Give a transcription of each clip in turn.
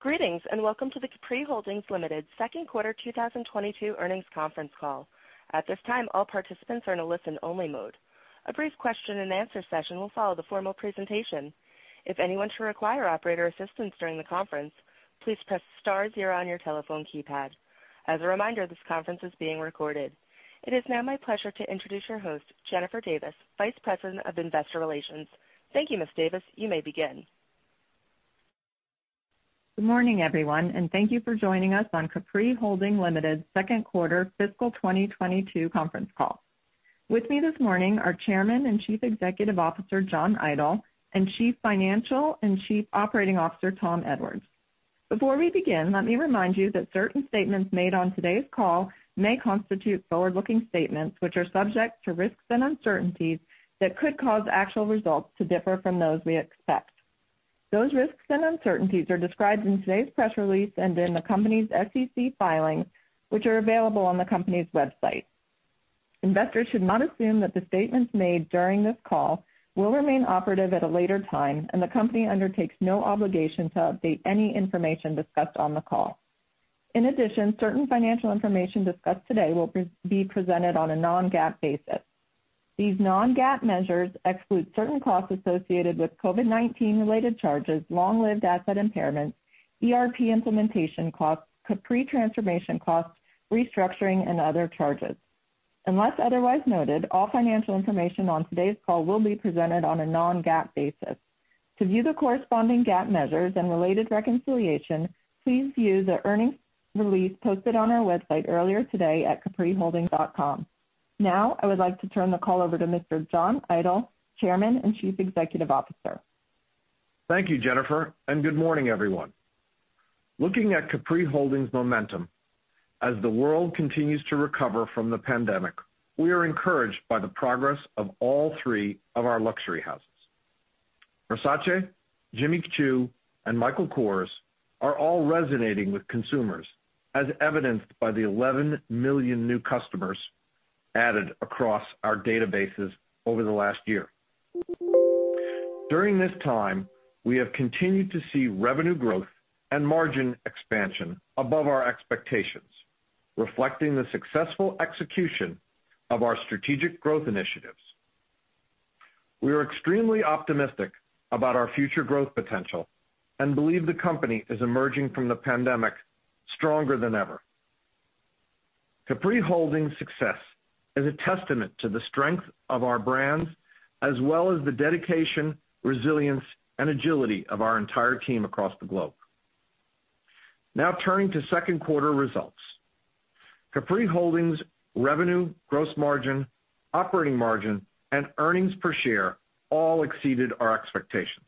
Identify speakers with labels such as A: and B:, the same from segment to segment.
A: Greetings, and welcome to the Capri Holdings Limited second quarter 2022 earnings conference call. At this time, all participants are in a listen-only mode. A brief question and answer session will follow the formal presentation. If anyone should require operator assistance during the conference, please press star zero on your telephone keypad. As a reminder, this conference is being recorded. It is now my pleasure to introduce your host, Jennifer Davis, Vice President of Investor Relations. Thank you, Ms. Davis. You may begin.
B: Good morning, everyone, and thank you for joining us on Capri Holdings Limited second quarter fiscal 2022 conference call. With me this morning are Chairman and Chief Executive Officer John Idol, and Chief Financial and Chief Operating Officer Tom Edwards. Before we begin, let me remind you that certain statements made on today's call may constitute forward-looking statements which are subject to risks and uncertainties that could cause actual results to differ from those we expect. Those risks and uncertainties are described in today's press release and in the company's SEC filings, which are available on the company's website. Investors should not assume that the statements made during this call will remain operative at a later time, and the company undertakes no obligation to update any information discussed on the call. In addition, certain financial information discussed today will be presented on a non-GAAP basis. These non-GAAP measures exclude certain costs associated with COVID-19 related charges, long-lived asset impairments, ERP implementation costs, Capri transformation costs, restructuring, and other charges. Unless otherwise noted, all financial information on today's call will be presented on a non-GAAP basis. To view the corresponding GAAP measures and related reconciliation, please view the earnings release posted on our website earlier today at capriholdings.com. Now, I would like to turn the call over to Mr. John Idol, Chairman and Chief Executive Officer.
C: Thank you, Jennifer, and good morning, everyone. Looking at Capri Holdings momentum, as the world continues to recover from the pandemic, we are encouraged by the progress of all three of our luxury houses. Versace, Jimmy Choo, and Michael Kors are all resonating with consumers, as evidenced by the 11 million new customers added across our databases over the last year. During this time, we have continued to see revenue growth and margin expansion above our expectations, reflecting the successful execution of our strategic growth initiatives. We are extremely optimistic about our future growth potential and believe the company is emerging from the pandemic stronger than ever. Capri Holdings' success is a testament to the strength of our brands as well as the dedication, resilience, and agility of our entire team across the globe. Now turning to second quarter results. Capri Holdings revenue, gross margin, operating margin, and earnings per share all exceeded our expectations.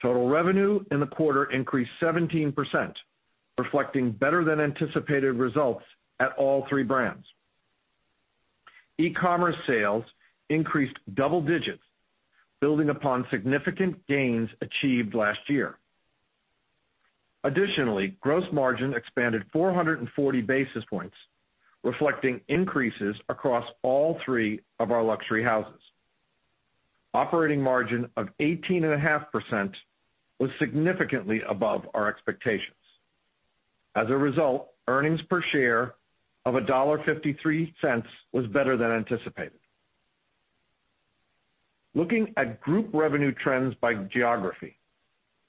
C: Total revenue in the quarter increased 17%, reflecting better than anticipated results at all three brands. E-commerce sales increased double digits, building upon significant gains achieved last year. Additionally, gross margin expanded 440 basis points, reflecting increases across all three of our luxury houses. Operating margin of 18.5% was significantly above our expectations. As a result, earnings per share of $1.53 was better than anticipated. Looking at group revenue trends by geography,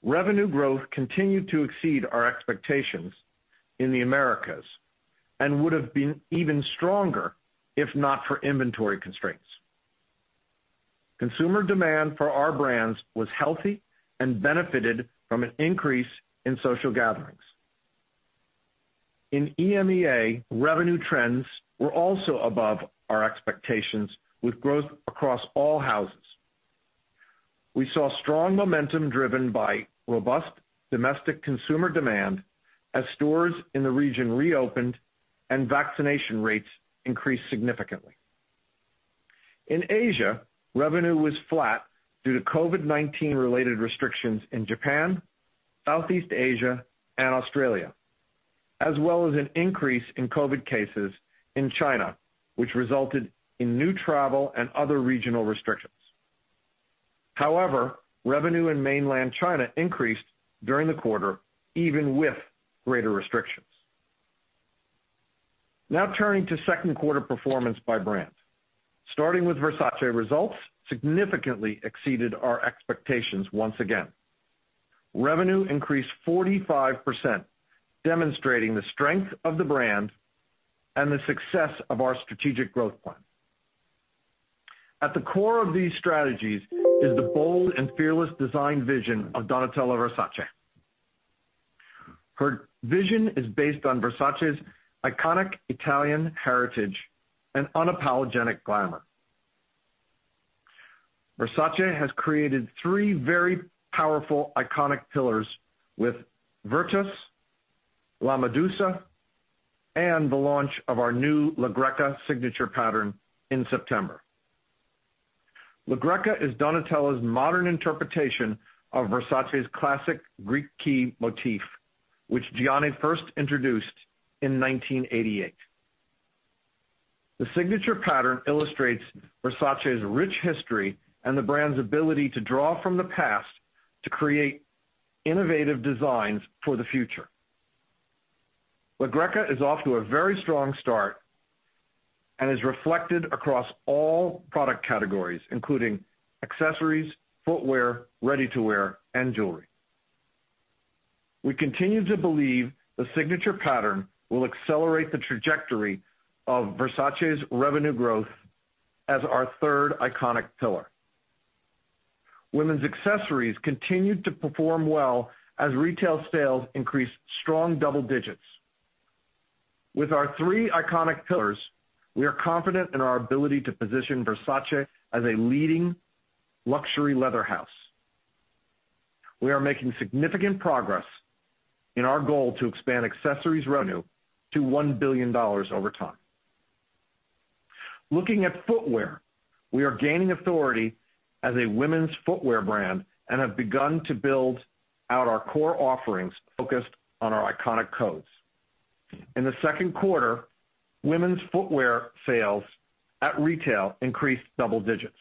C: revenue growth continued to exceed our expectations in the Americas and would have been even stronger if not for inventory constraints. Consumer demand for our brands was healthy and benefited from an increase in social gatherings. In EMEA, revenue trends were also above our expectations with growth across all houses. We saw strong momentum driven by robust domestic consumer demand as stores in the region reopened and vaccination rates increased significantly. In Asia, revenue was flat due to COVID-19 related restrictions in Japan, Southeast Asia, and Australia, as well as an increase in COVID cases in China, which resulted in new travel and other regional restrictions. However, revenue in mainland China increased during the quarter, even with greater restrictions. Now turning to second quarter performance by brands. Starting with Versace, results significantly exceeded our expectations once again. Revenue increased 45%, demonstrating the strength of the brand and the success of our strategic growth plan. At the core of these strategies is the bold and fearless design vision of Donatella Versace. Her vision is based on Versace's iconic Italian heritage and unapologetic glamour. Versace has created three very powerful iconic pillars with Virtus, La Medusa, and the launch of our new La Greca signature pattern in September. La Greca is Donatella's modern interpretation of Versace's classic Greek key motif, which Gianni first introduced in 1988. The signature pattern illustrates Versace's rich history and the brand's ability to draw from the past to create innovative designs for the future. La Greca is off to a very strong start and is reflected across all product categories, including accessories, footwear, ready-to-wear, and jewelry. We continue to believe the signature pattern will accelerate the trajectory of Versace's revenue growth as our third iconic pillar. Women's accessories continued to perform well as retail sales increased strong double digits. With our three iconic pillars, we are confident in our ability to position Versace as a leading luxury leather house. We are making significant progress in our goal to expand accessories revenue to $1 billion over time. Looking at footwear, we are gaining authority as a women's footwear brand and have begun to build out our core offerings focused on our iconic codes. In the second quarter, women's footwear sales at retail increased double digits.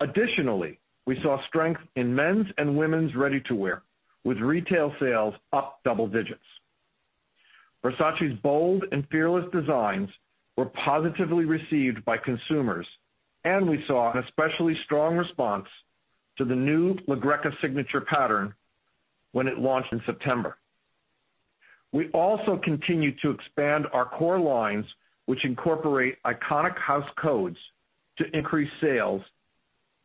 C: Additionally, we saw strength in men's and women's ready-to-wear, with retail sales up double digits. Versace's bold and fearless designs were positively received by consumers, and we saw an especially strong response to the new La Greca signature pattern when it launched in September. We also continued to expand our core lines, which incorporate iconic house codes to increase sales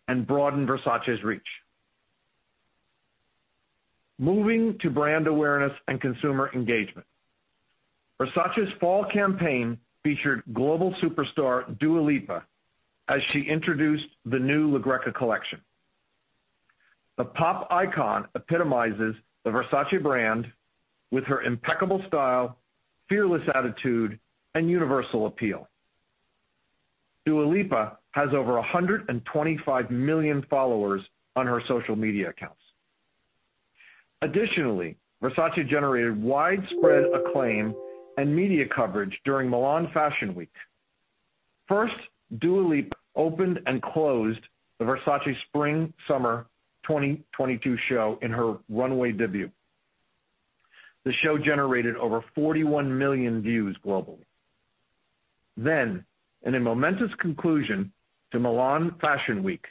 C: and broaden Versace's reach. Moving to brand awareness and consumer engagement. Versace's fall campaign featured global superstar Dua Lipa as she introduced the new La Greca collection. The pop icon epitomizes the Versace brand with her impeccable style, fearless attitude, and universal appeal. Dua Lipa has over 125 million followers on her social media accounts. Additionally, Versace generated widespread acclaim and media coverage during Milan Fashion Week. First, Dua Lipa opened and closed the Versace Spring/Summer 2022 show in her runway debut. The show generated over 41 million views globally. In a momentous conclusion to Milan Fashion Week,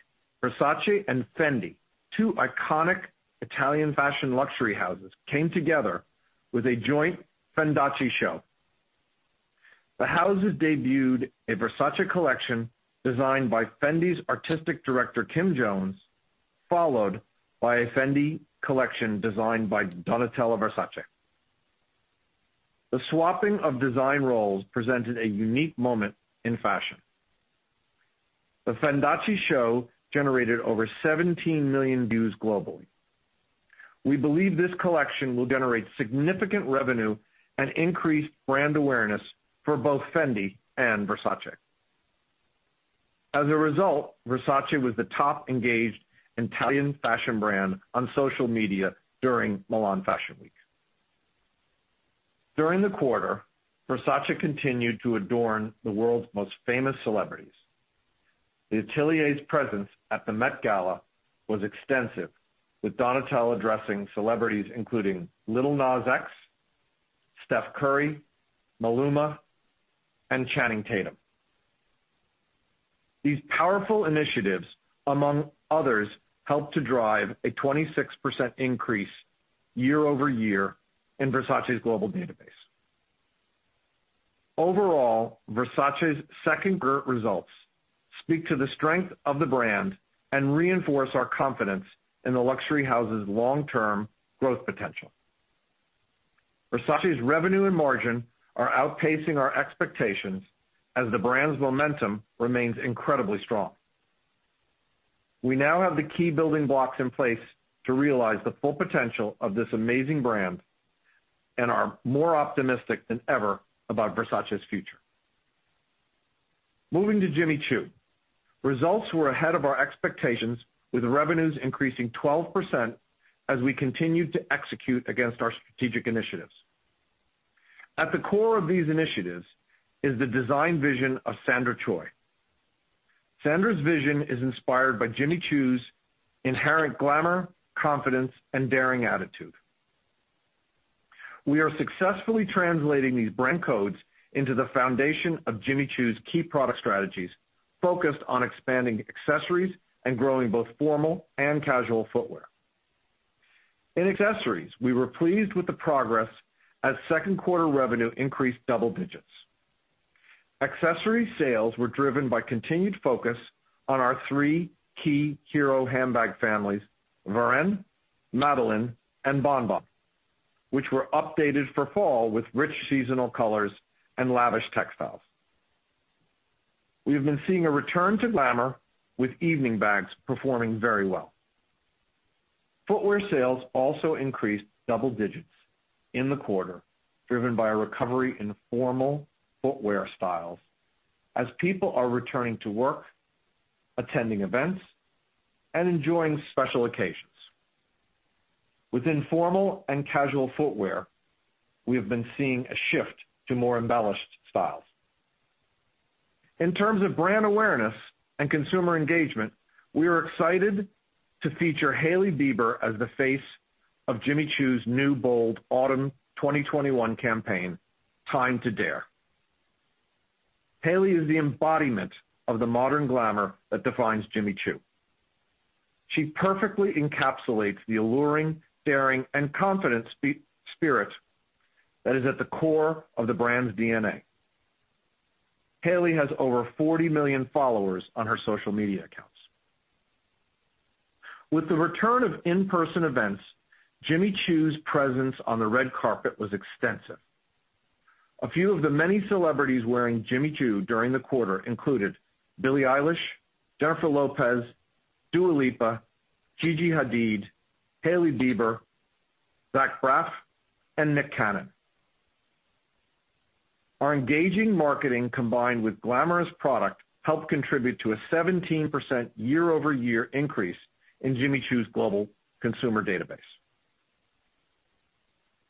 C: Versace and Fendi, two iconic Italian fashion luxury houses, came together with a joint Fendace show. The houses debuted a Versace collection designed by Fendi's artistic director, Kim Jones, followed by a Fendi collection designed by Donatella Versace. The swapping of design roles presented a unique moment in fashion. The Fendace show generated over 17 million views globally. We believe this collection will generate significant revenue and increase brand awareness for both Fendi and Versace. As a result, Versace was the top engaged Italian fashion brand on social media during Milan Fashion Week. During the quarter, Versace continued to adorn the world's most famous celebrities. The Atelier's presence at the Met Gala was extensive, with Donatella addressing celebrities including Lil Nas X, Steph Curry, Maluma, and Channing Tatum. These powerful initiatives, among others, helped to drive a 26% increase year-over-year in Versace's global database. Overall, Versace's second quarter results speak to the strength of the brand and reinforce our confidence in the luxury house's long-term growth potential. Versace's revenue and margin are outpacing our expectations as the brand's momentum remains incredibly strong. We now have the key building blocks in place to realize the full potential of this amazing brand and are more optimistic than ever about Versace's future. Moving to Jimmy Choo. Results were ahead of our expectations, with revenues increasing 12% as we continued to execute against our strategic initiatives. At the core of these initiatives is the design vision of Sandra Choi. Sandra's vision is inspired by Jimmy Choo's inherent glamour, confidence, and daring attitude. We are successfully translating these brand codes into the foundation of Jimmy Choo's key product strategies focused on expanding accessories and growing both formal and casual footwear. In accessories, we were pleased with the progress as second quarter revenue increased double digits. Accessory sales were driven by continued focus on our three key hero handbag families, Varenne, Madeline, and Bon Bon, which were updated for fall with rich seasonal colors and lavish textiles. We have been seeing a return to glamour with evening bags performing very well. Footwear sales also increased double digits in the quarter, driven by a recovery in formal footwear styles as people are returning to work, attending events, and enjoying special occasions. Within formal and casual footwear, we have been seeing a shift to more embellished styles. In terms of brand awareness and consumer engagement, we are excited to feature Hailey Bieber as the face of Jimmy Choo's new bold autumn 2021 campaign, Time to Dare. Hailey is the embodiment of the modern glamour that defines Jimmy Choo. She perfectly encapsulates the alluring, daring, and confident spirit that is at the core of the brand's DNA. Hailey has over 40 million followers on her social media accounts. With the return of in-person events, Jimmy Choo's presence on the red carpet was extensive. A few of the many celebrities wearing Jimmy Choo during the quarter included Billie Eilish, Jennifer Lopez, Dua Lipa, Gigi Hadid, Hailey Bieber, Zach Braff, and Nick Cannon. Our engaging marketing combined with glamorous product helped contribute to a 17% year-over-year increase in Jimmy Choo's global consumer database.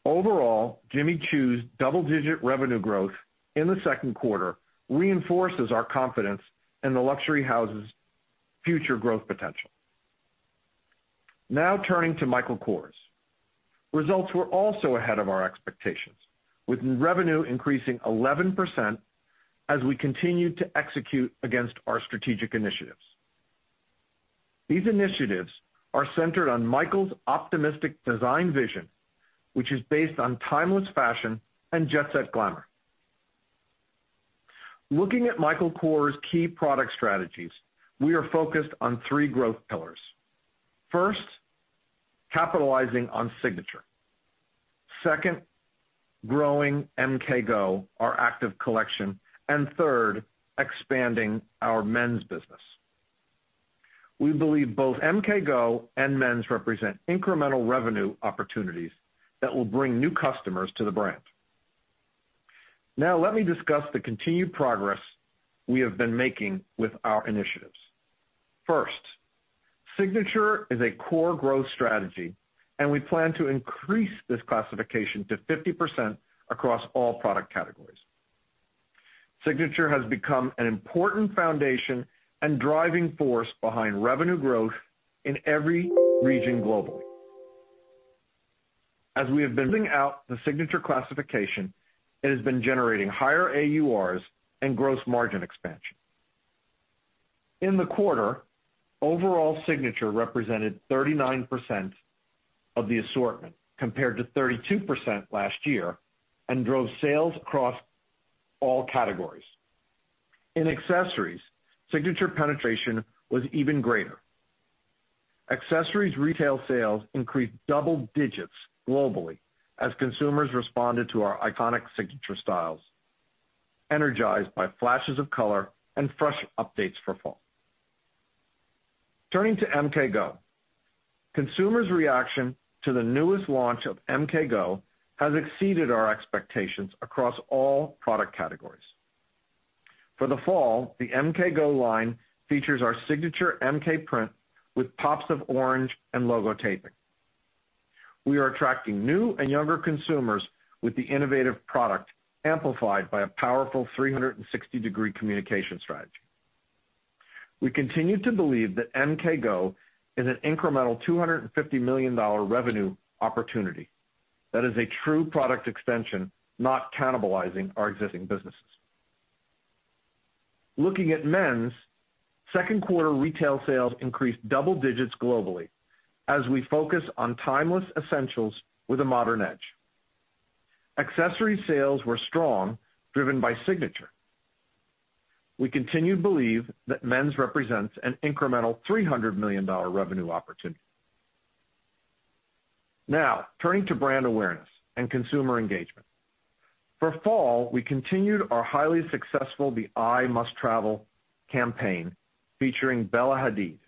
C: Overall, Jimmy Choo's double-digit revenue growth in the second quarter reinforces our confidence in the luxury house's future growth potential. Now turning to Michael Kors. Results were also ahead of our expectations, with revenue increasing 11% as we continued to execute against our strategic initiatives. These initiatives are centered on Michael's optimistic design vision, which is based on timeless fashion and jet set glamour. Looking at Michael Kors' key product strategies, we are focused on three growth pillars. First, capitalizing on Signature. Second, growing MKGO, our active collection. Third, expanding our men's business. We believe both MKGO and men's represent incremental revenue opportunities that will bring new customers to the brand. Now let me discuss the continued progress we have been making with our initiatives. First, Signature is a core growth strategy, and we plan to increase this classification to 50% across all product categories. Signature has become an important foundation and driving force behind revenue growth in every region globally. As we have been building out the Signature classification, it has been generating higher AURs and gross margin expansion. In the quarter, overall Signature represented 39% of the assortment compared to 32% last year, and drove sales across all categories. In accessories, Signature penetration was even greater. Accessories retail sales increased double digits globally as consumers responded to our iconic Signature styles, energized by flashes of color and fresh updates for fall. Turning to MKGO. Consumers' reaction to the newest launch of MKGO has exceeded our expectations across all product categories. For the fall, the MKGO line features our signature MK print with pops of orange and logo taping. We are attracting new and younger consumers with the innovative product, amplified by a powerful 360-degree communication strategy. We continue to believe that MKGO is an incremental $250 million revenue opportunity that is a true product extension, not cannibalizing our existing businesses. Looking at men's, second quarter retail sales increased double digits globally as we focus on timeless essentials with a modern edge. Accessory sales were strong, driven by Signature. We continue to believe that men's represents an incremental $300 million revenue opportunity. Now, turning to brand awareness and consumer engagement. For fall, we continued our highly successful The Eye Must Travel campaign, featuring Bella Hadid.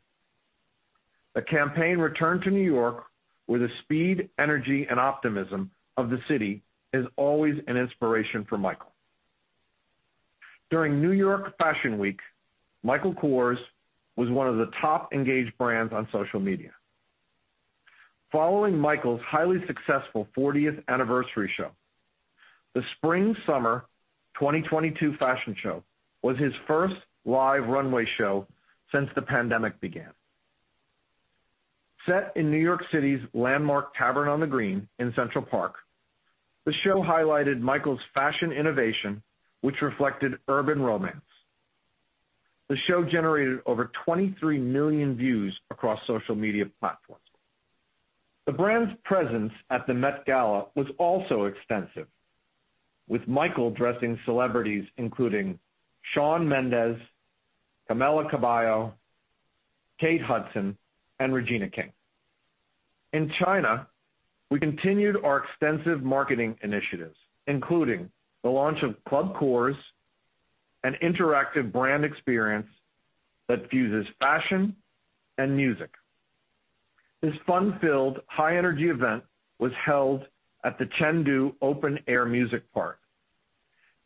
C: The campaign returned to New York, where the speed, energy, and optimism of the city is always an inspiration for Michael. During New York Fashion Week, Michael Kors was one of the top engaged brands on social media. Following Michael's highly successful fortieth anniversary show, the spring/summer 2022 fashion show was his first live runway show since the pandemic began. Set in New York City's landmark Tavern on the Green in Central Park, the show highlighted Michael's fashion innovation, which reflected urban romance. The show generated over 23 million views across social media platforms. The brand's presence at the Met Gala was also extensive, with Michael dressing celebrities including Shawn Mendes, Camila Cabello, Kate Hudson, and Regina King. In China, we continued our extensive marketing initiatives, including the launch of Club Kors, an interactive brand experience that fuses fashion and music. This fun-filled, high-energy event was held at the Chengdu Open Air Music Park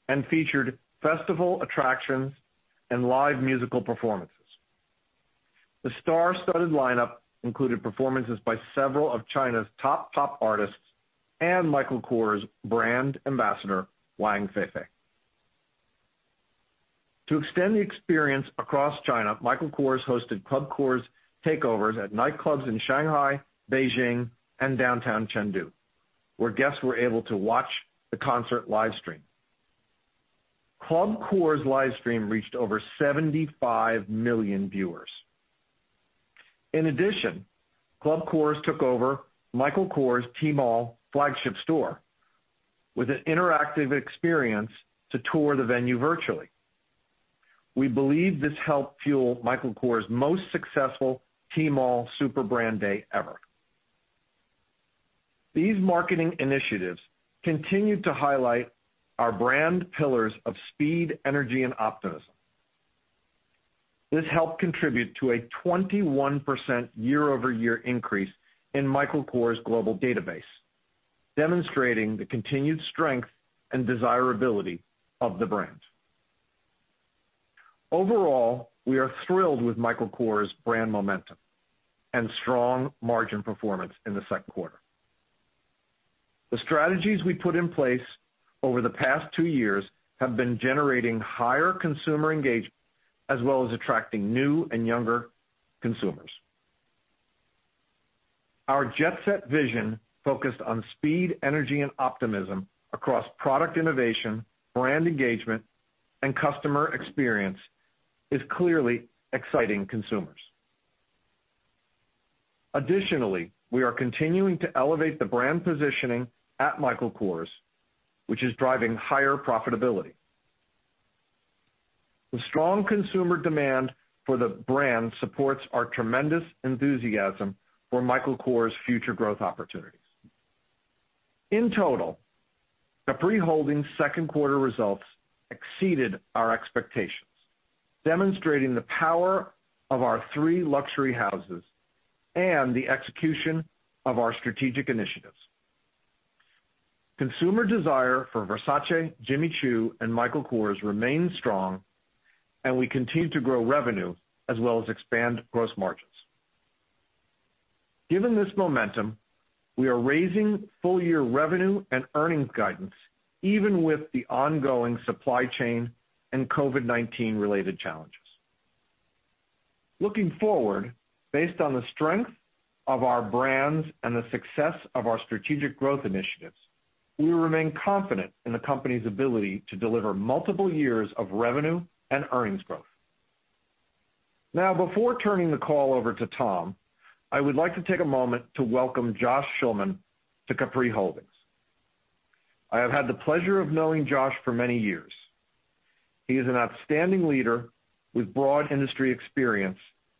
C: and featured festival attractions and live musical performances. The star-studded lineup included performances by several of China's top pop artists and Michael Kors' brand ambassador, Wang Feifei. To extend the experience across China, Michael Kors hosted Club Kors takeovers at nightclubs in Shanghai, Beijing, and downtown Chengdu, where guests were able to watch the concert live stream. Club Kors live stream reached over 75 million viewers. In addition, Club Kors took over Michael Kors Tmall flagship store with an interactive experience to tour the venue virtually. We believe this helped fuel Michael Kors' most successful Tmall Super Brand Day ever. These marketing initiatives continued to highlight our brand pillars of speed, energy, and optimism. This helped contribute to a 21% year-over-year increase in Michael Kors global database, demonstrating the continued strength and desirability of the brand. Overall, we are thrilled with Michael Kors' brand momentum and strong margin performance in the second quarter. The strategies we put in place over the past two years have been generating higher consumer engagement, as well as attracting new and younger consumers. Our jet-set vision focused on speed, energy, and optimism across product innovation, brand engagement, and customer experience is clearly exciting consumers. Additionally, we are continuing to elevate the brand positioning at Michael Kors, which is driving higher profitability. The strong consumer demand for the brand supports our tremendous enthusiasm for Michael Kors' future growth opportunities. In total, the Capri Holdings second quarter results exceeded our expectations, demonstrating the power of our three luxury houses and the execution of our strategic initiatives. Consumer desire for Versace, Jimmy Choo, and Michael Kors remains strong, and we continue to grow revenue as well as expand gross margins. Given this momentum, we are raising full-year revenue and earnings guidance, even with the ongoing supply chain and COVID-19 related challenges. Looking forward, based on the strength of our brands and the success of our strategic growth initiatives, we remain confident in the company's ability to deliver multiple years of revenue and earnings growth. Now, before turning the call over to Tom, I would like to take a moment to welcome Josh Schulman to Capri Holdings. I have had the pleasure of knowing Josh for many years. He is an outstanding leader with broad industry experience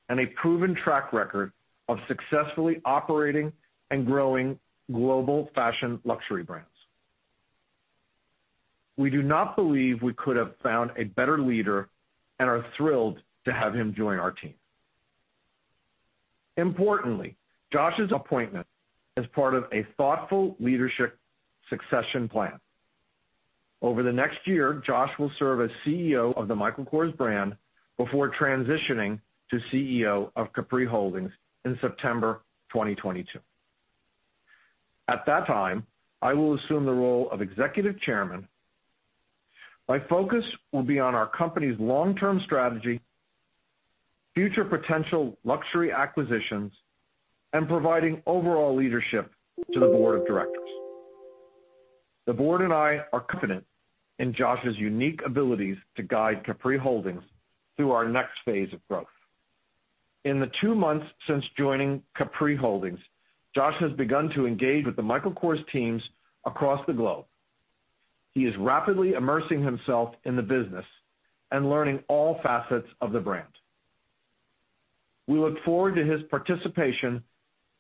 C: and a proven track record of successfully operating and growing global fashion luxury brands. We do not believe we could have found a better leader and are thrilled to have him join our team. Importantly, Josh's appointment is part of a thoughtful leadership succession plan. Over the next year, Josh will serve as CEO of the Michael Kors brand before transitioning to CEO of Capri Holdings in September 2022. At that time, I will assume the role of Executive Chairman. My focus will be on our company's long-term strategy, future potential luxury acquisitions, and providing overall leadership to the board of directors. The board and I are confident in Josh's unique abilities to guide Capri Holdings through our next phase of growth. In the two months since joining Capri Holdings, Josh has begun to engage with the Michael Kors teams across the globe. He is rapidly immersing himself in the business and learning all facets of the brand. We look forward to his participation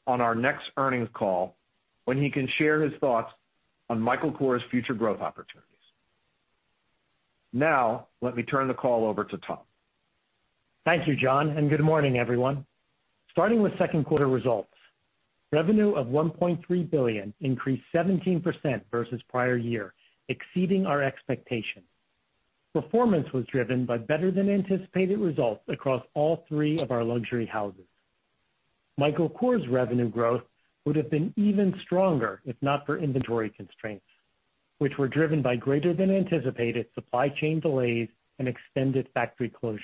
C: on our next earnings call when he can share his thoughts on Michael Kors' future growth opportunities. Now let me turn the call over to Tom.
D: Thank you, John, and good morning, everyone. Starting with second quarter results. Revenue of $1.3 billion increased 17% versus prior year, exceeding our expectations. Performance was driven by better than anticipated results across all three of our luxury houses. Michael Kors revenue growth would have been even stronger if not for inventory constraints, which were driven by greater than anticipated supply chain delays and extended factory closures.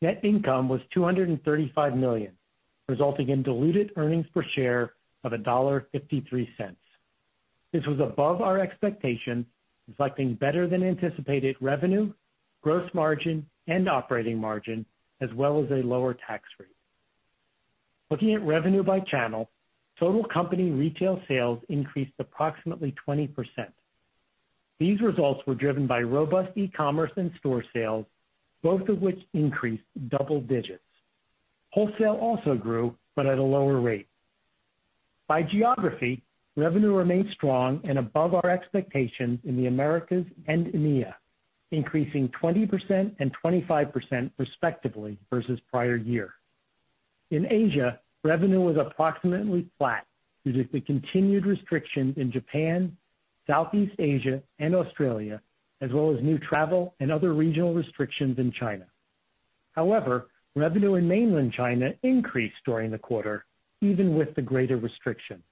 D: Net income was $235 million, resulting in diluted earnings per share of $1.53. This was above our expectation, reflecting better than anticipated revenue, gross margin and operating margin, as well as a lower tax rate. Looking at revenue by channel, total company retail sales increased approximately 20%. These results were driven by robust e-commerce and store sales, both of which increased double digits. Wholesale also grew, but at a lower rate. By geography, revenue remained strong and above our expectations in the Americas and EMEA, increasing 20% and 25% respectively versus prior year. In Asia, revenue was approximately flat due to the continued restrictions in Japan, Southeast Asia, and Australia, as well as new travel and other regional restrictions in China. However, revenue in mainland China increased during the quarter even with the greater restrictions.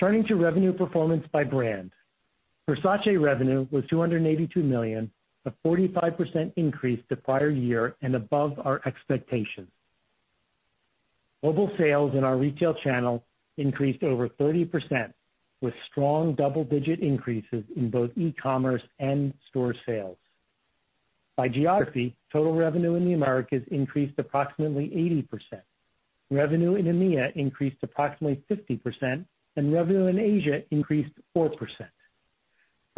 D: Turning to revenue performance by brand. Versace revenue was $282 million, a 45% increase to prior year and above our expectations. Global sales in our retail channel increased over 30% with strong double-digit increases in both e-commerce and store sales. By geography, total revenue in the Americas increased approximately 80%. Revenue in EMEA increased approximately 50%, and revenue in Asia increased 4%.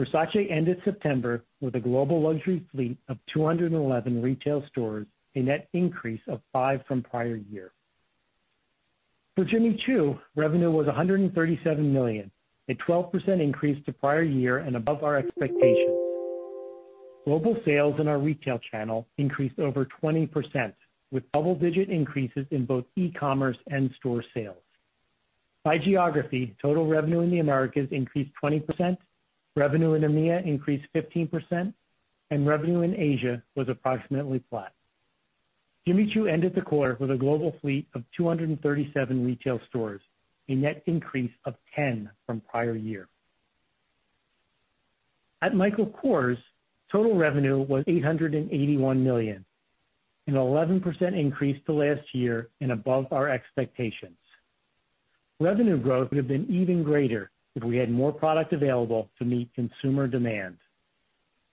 D: Versace ended September with a global luxury fleet of 211 retail stores, a net increase of 5% from prior year. For Jimmy Choo, revenue was $137 million, a 12% increase to prior year and above our expectations. Global sales in our retail channel increased over 20% with double-digit increases in both e-commerce and store sales. By geography, total revenue in the Americas increased 20%, revenue in EMEA increased 15%, and revenue in Asia was approximately flat. Jimmy Choo ended the quarter with a global fleet of 237 retail stores, a net increase of 10% from prior year. At Michael Kors, total revenue was $881 million, an 11% increase to last year and above our expectations. Revenue growth would have been even greater if we had more product available to meet consumer demand.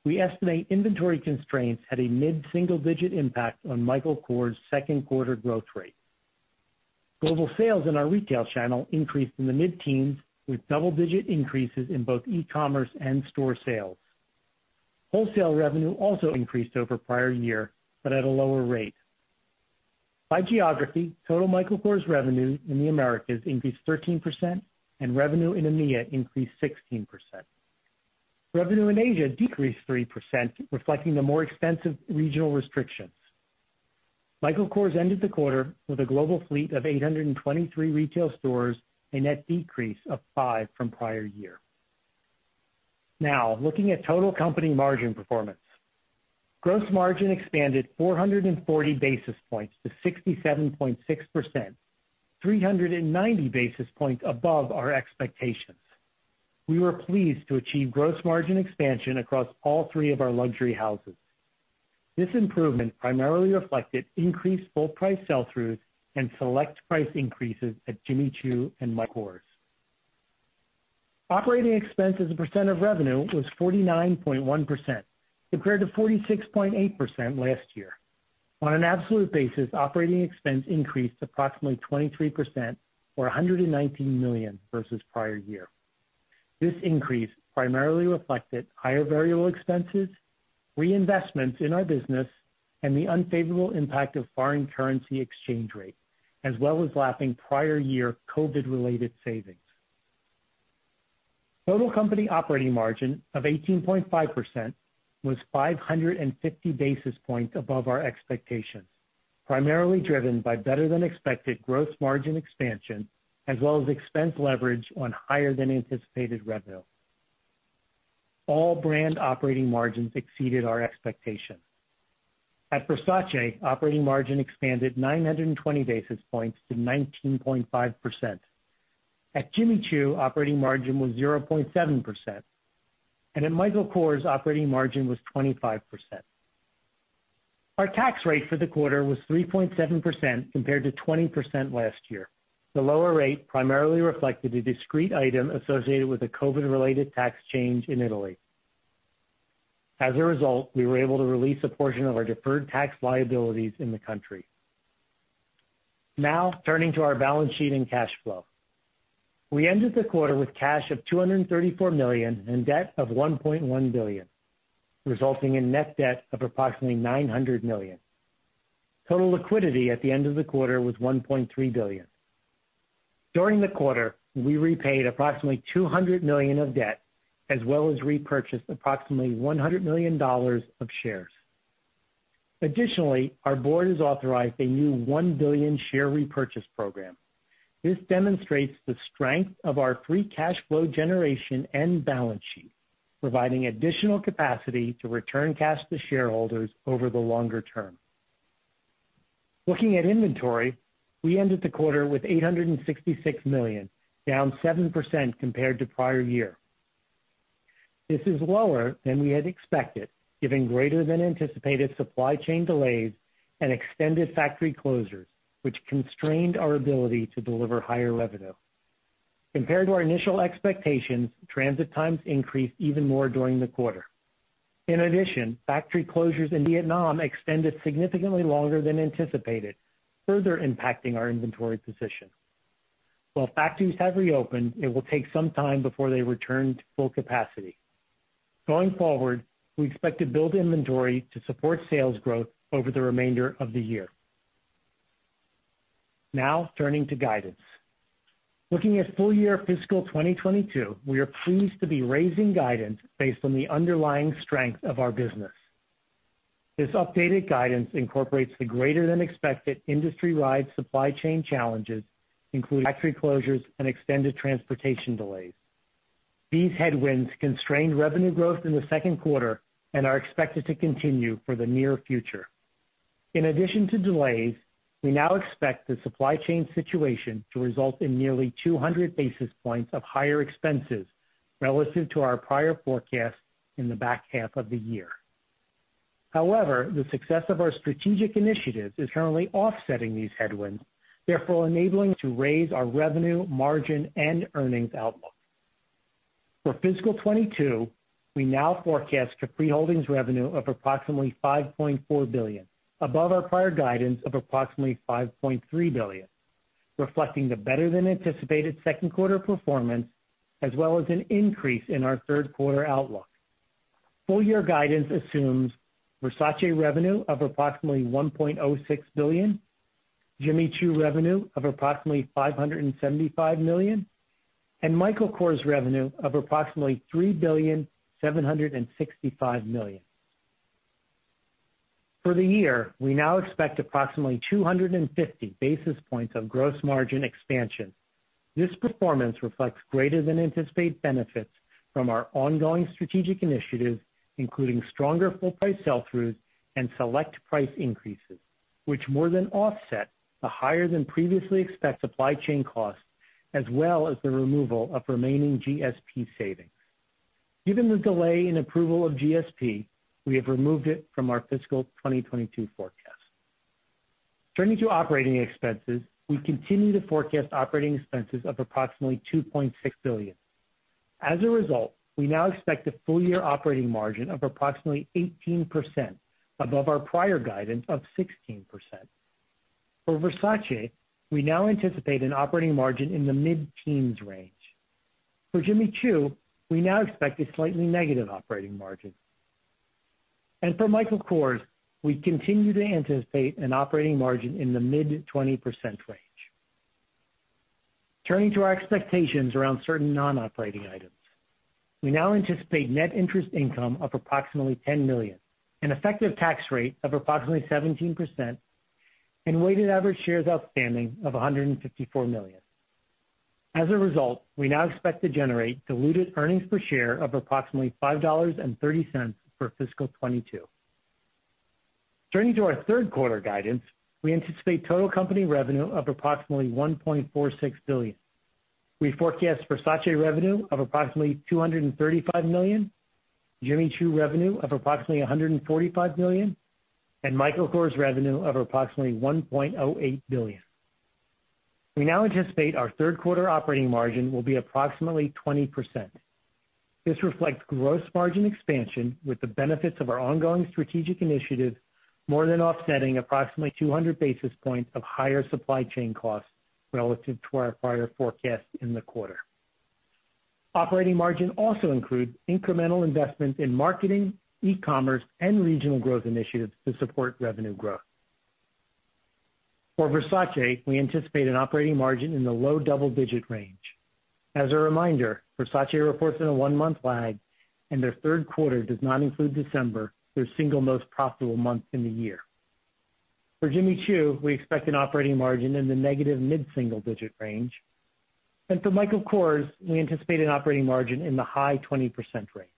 D: We estimate inventory constraints had a mid-single-digit impact on Michael Kors' second quarter growth rate. Global sales in our retail channel increased in the mid-teens with double-digit increases in both e-commerce and store sales. Wholesale revenue also increased over prior year, but at a lower rate. By geography, total Michael Kors revenue in the Americas increased 13% and revenue in EMEA increased 16%. Revenue in Asia decreased 3%, reflecting the more expensive regional restrictions. Michael Kors ended the quarter with a global fleet of 823 retail stores, a net decrease of 5% from prior year. Now, looking at total company margin performance. Gross margin expanded 440 basis points to 67.6%, 390 basis points above our expectations. We were pleased to achieve gross margin expansion across all three of our luxury houses. This improvement primarily reflected increased full price sell-throughs and select price increases at Jimmy Choo and Michael Kors. Operating expense as a percent of revenue was 49.1% compared to 46.8% last year. On an absolute basis, operating expense increased approximately 23% or $119 million versus prior year. This increase primarily reflected higher variable expenses, reinvestments in our business, and the unfavorable impact of foreign currency exchange rate, as well as lapping prior year COVID-19-related savings. Total company operating margin of 18.5% was 550 basis points above our expectations, primarily driven by better than expected gross margin expansion as well as expense leverage on higher than anticipated revenue. All brand operating margins exceeded our expectations. At Versace, operating margin expanded 920 basis points to 19.5%. At Jimmy Choo, operating margin was 0.7%, and at Michael Kors, operating margin was 25%. Our tax rate for the quarter was 3.7% compared to 20% last year. The lower rate primarily reflected a discrete item associated with a COVID-related tax change in Italy. As a result, we were able to release a portion of our deferred tax liabilities in the country. Now, turning to our balance sheet and cash flow. We ended the quarter with cash of $234 million and debt of $1.1 billion, resulting in net debt of approximately $900 million. Total liquidity at the end of the quarter was $1.3 billion. During the quarter, we repaid approximately $200 million of debt as well as repurchased approximately $100 million of shares. Additionally, our board has authorized a new $1 billion share repurchase program. This demonstrates the strength of our free cash flow generation and balance sheet, providing additional capacity to return cash to shareholders over the longer term. Looking at inventory, we ended the quarter with $866 million, down 7% compared to prior year. This is lower than we had expected, given greater than anticipated supply chain delays and extended factory closures, which constrained our ability to deliver higher revenue. Compared to our initial expectations, transit times increased even more during the quarter. In addition, factory closures in Vietnam extended significantly longer than anticipated, further impacting our inventory position. While factories have reopened, it will take some time before they return to full capacity. Going forward, we expect to build inventory to support sales growth over the remainder of the year. Now, turning to guidance. Looking at full year fiscal 2022, we are pleased to be raising guidance based on the underlying strength of our business. This updated guidance incorporates the greater than expected industry-wide supply chain challenges, including factory closures and extended transportation delays. These headwinds constrained revenue growth in the second quarter and are expected to continue for the near future. In addition to delays, we now expect the supply chain situation to result in nearly 200 basis points of higher expenses relative to our prior forecast in the back half of the year. However, the success of our strategic initiatives is currently offsetting these headwinds, therefore enabling us to raise our revenue, margin, and earnings outlook. For fiscal 2022, we now forecast Capri Holdings revenue of approximately $5.4 billion, above our prior guidance of approximately $5.3 billion, reflecting the better than anticipated second quarter performance as well as an increase in our third quarter outlook. Full year guidance assumes Versace revenue of approximately $1.06 billion, Jimmy Choo revenue of approximately $575 million, and Michael Kors revenue of approximately $3.765 billion. For the year, we now expect approximately 250 basis points of gross margin expansion. This performance reflects greater than anticipated benefits from our ongoing strategic initiatives, including stronger full price sell-throughs and select price increases, which more than offset the higher than previously expected supply chain costs, as well as the removal of remaining GSP savings. Given the delay in approval of GSP, we have removed it from our fiscal 2022 forecast. Turning to operating expenses, we continue to forecast operating expenses of approximately $2.6 billion. As a result, we now expect a full-year operating margin of approximately 18% above our prior guidance of 16%. For Versace, we now anticipate an operating margin in the mid-teens range. For Jimmy Choo, we now expect a slightly negative operating margin. For Michael Kors, we continue to anticipate an operating margin in the mid-20% range. Turning to our expectations around certain non-operating items. We now anticipate net interest income of approximately $10 million, an effective tax rate of approximately 17%, and weighted average shares outstanding of 154 million. As a result, we now expect to generate diluted earnings per share of approximately $5.30 for fiscal 2022. Turning to our third quarter guidance, we anticipate total company revenue of approximately $1.46 billion. We forecast Versace revenue of approximately $235 million, Jimmy Choo revenue of approximately $145 million, and Michael Kors revenue of approximately $1.08 billion. We now anticipate our third quarter operating margin will be approximately 20%. This reflects gross margin expansion with the benefits of our ongoing strategic initiatives more than offsetting approximately 200 basis points of higher supply chain costs relative to our prior forecast in the quarter. Operating margin also includes incremental investments in marketing, e-commerce, and regional growth initiatives to support revenue growth. For Versace, we anticipate an operating margin in the low double-digit range. As a reminder, Versace reports in a one-month lag, and their third quarter does not include December, their single most profitable month in the year. For Jimmy Choo, we expect an operating margin in the negative mid-single digit range. For Michael Kors, we anticipate an operating margin in the high 20% range.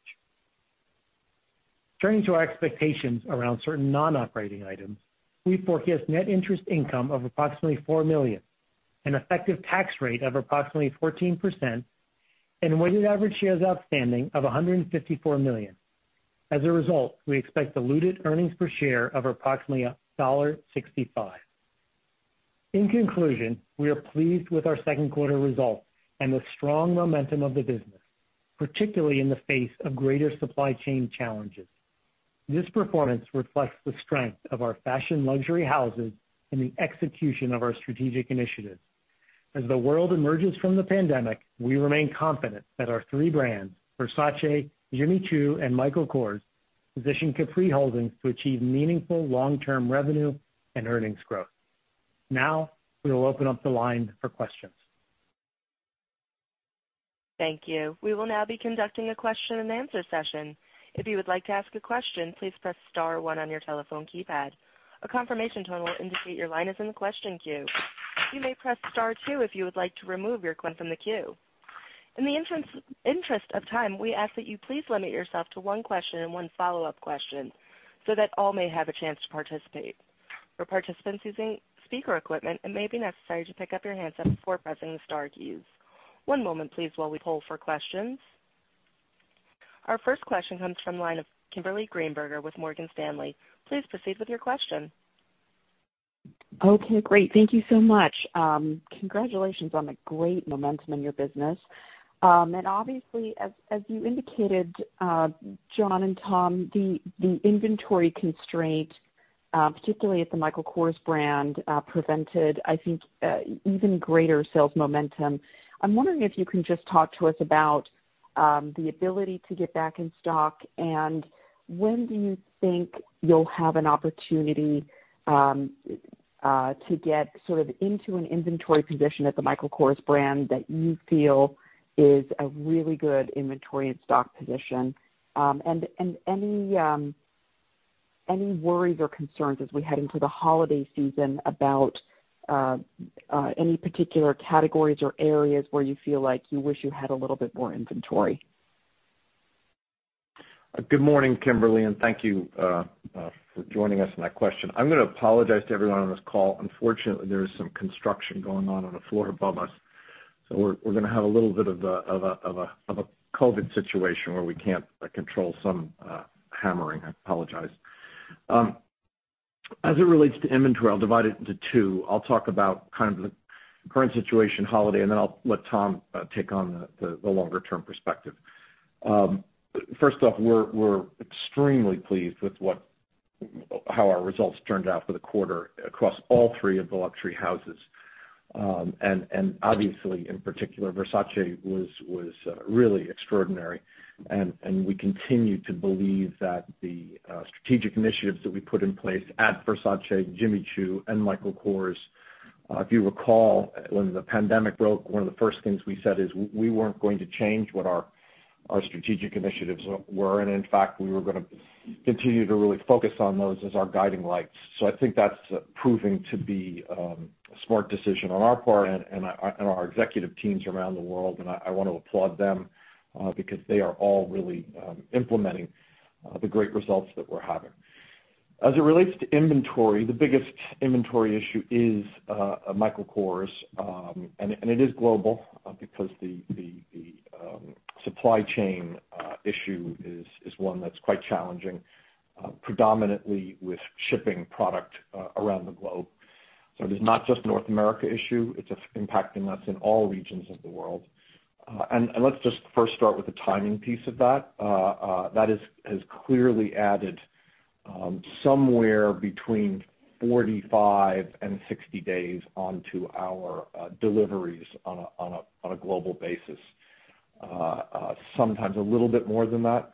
D: Turning to our expectations around certain non-operating items. We forecast net interest income of approximately $4 million, an effective tax rate of approximately 14%, and weighted average shares outstanding of 154 million. As a result, we expect diluted earnings per share of approximately $1.65. In conclusion, we are pleased with our second quarter results and the strong momentum of the business, particularly in the face of greater supply chain challenges. This performance reflects the strength of our fashion luxury houses and the execution of our strategic initiatives. As the world emerges from the pandemic, we remain confident that our three brands, Versace, Jimmy Choo, and Michael Kors, position Capri Holdings to achieve meaningful long-term revenue and earnings growth. Now, we will open up the line for questions.
A: Thank you. We will now be conducting a question and answer session. If you would like to ask a question, please press star one on your telephone keypad. A confirmation tone will indicate your line is in the question queue. You may press star two if you would like to remove your line from the queue. In the interest of time, we ask that you please limit yourself to one question and one follow-up question so that all may have a chance to participate. For participants using speaker equipment, it may be necessary to pick up your handset before pressing the star keys. One moment please while we poll for questions. Our first question comes from the line of Kimberly Greenberger with Morgan Stanley. Please proceed with your question.
E: Okay, great. Thank you so much. Congratulations on the great momentum in your business. Obviously, as you indicated, John and Tom, the inventory constraint, particularly at the Michael Kors brand, prevented, I think, even greater sales momentum. I'm wondering if you can just talk to us about the ability to get back in stock, and when do you think you'll have an opportunity to get sort of into an inventory position at the Michael Kors brand that you feel is a really good inventory and stock position? Any worries or concerns as we head into the holiday season about any particular categories or areas where you feel like you wish you had a little bit more inventory?
C: Good morning, Kimberly, and thank you for joining us on that question. I'm gonna apologize to everyone on this call. Unfortunately, there is some construction going on on the floor above us, so we're gonna have a little bit of a COVID situation where we can't control some hammering. I apologize. As it relates to inventory, I'll divide it into two. I'll talk about kind of the current situation holiday, and then I'll let Tom take on the longer term perspective. First off, we're extremely pleased with how our results turned out for the quarter across all three of the luxury houses. Obviously in particular, Versace was really extraordinary and we continue to believe that the strategic initiatives that we put in place at Versace, Jimmy Choo and Michael Kors. If you recall, when the pandemic broke, one of the first things we said is we weren't going to change what our strategic initiatives were. In fact, we were gonna continue to really focus on those as our guiding lights. I think that's proving to be a smart decision on our part and our executive teams around the world. I wanna applaud them because they are all really implementing the great results that we're having. As it relates to inventory, the biggest inventory issue is Michael Kors. It is global because the supply chain issue is one that's quite challenging, predominantly with shipping product around the globe. It is not just North America issue, it's impacting us in all regions of the world. Let's just first start with the timing piece of that. That has clearly added somewhere between 45-60 days onto our deliveries on a global basis, sometimes a little bit more than that.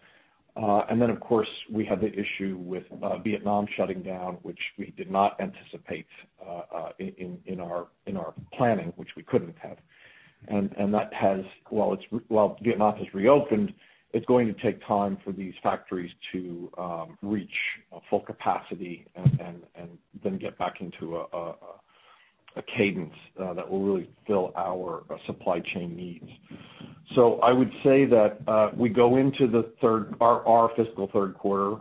C: Then of course, we had the issue with Vietnam shutting down, which we did not anticipate in our planning, which we couldn't have. While Vietnam has reopened, it's going to take time for these factories to reach full capacity and then get back into a cadence that will really fill our supply chain needs. I would say that we go into our fiscal third quarter,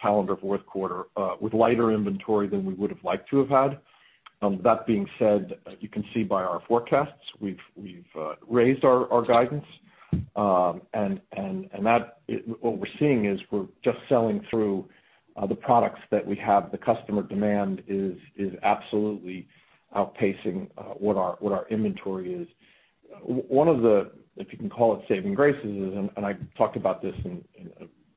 C: calendar fourth quarter, with lighter inventory than we would have liked to have had. That being said, you can see by our forecasts, we've raised our guidance and what we're seeing is we're just selling through the products that we have. The customer demand is absolutely outpacing what our inventory is. One of the, if you can call it, saving graces, and I talked about this in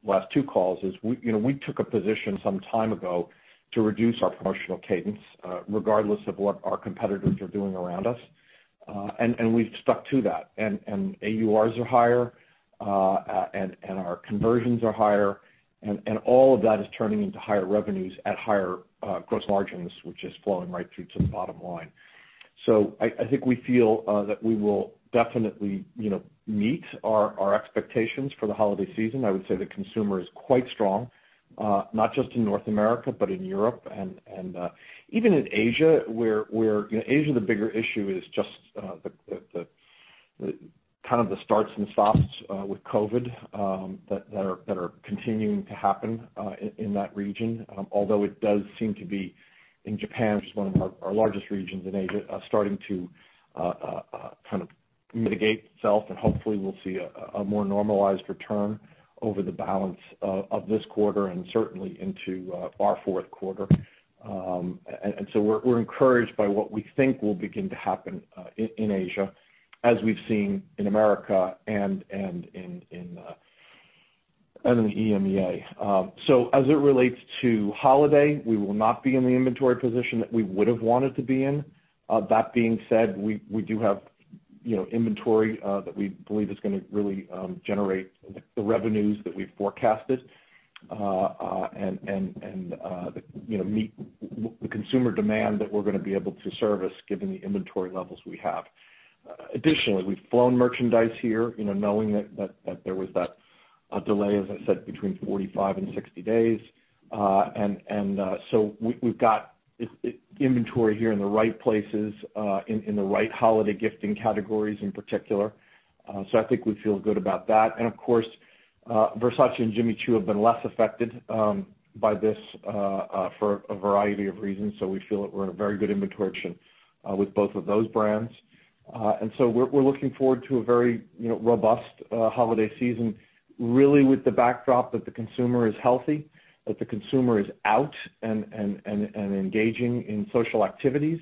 C: last two calls, is we, you know, we took a position some time ago to reduce our promotional cadence, regardless of what our competitors are doing around us. We've stuck to that. AURs are higher, and our conversions are higher, and all of that is turning into higher revenues at higher gross margins, which is flowing right through to the bottom line. I think we feel that we will definitely, you know, meet our expectations for the holiday season. I would say the consumer is quite strong, not just in North America, but in Europe and even in Asia, where in Asia, the bigger issue is just the kind of starts and stops with COVID that are continuing to happen in that region. Although it does seem to be in Japan, which is one of our largest regions in Asia, are starting to kind of mitigate itself. Hopefully, we'll see a more normalized return over the balance of this quarter and certainly into our fourth quarter. We're encouraged by what we think will begin to happen in Asia as we've seen in America and in EMEA. As it relates to holiday, we will not be in the inventory position that we would have wanted to be in. That being said, we do have, you know, inventory that we believe is gonna really generate the revenues that we've forecasted, and meet the consumer demand that we're gonna be able to service given the inventory levels we have. Additionally, we've flown merchandise here, you know, knowing that there was that delay, as I said, between 45 and 60 days. We've got inventory here in the right places, in the right holiday gifting categories in particular. I think we feel good about that. Of course, Versace and Jimmy Choo have been less affected by this for a variety of reasons. We feel that we're in a very good inventory position with both of those brands. We're looking forward to a very, you know, robust holiday season, really with the backdrop that the consumer is healthy, that the consumer is out and engaging in social activities.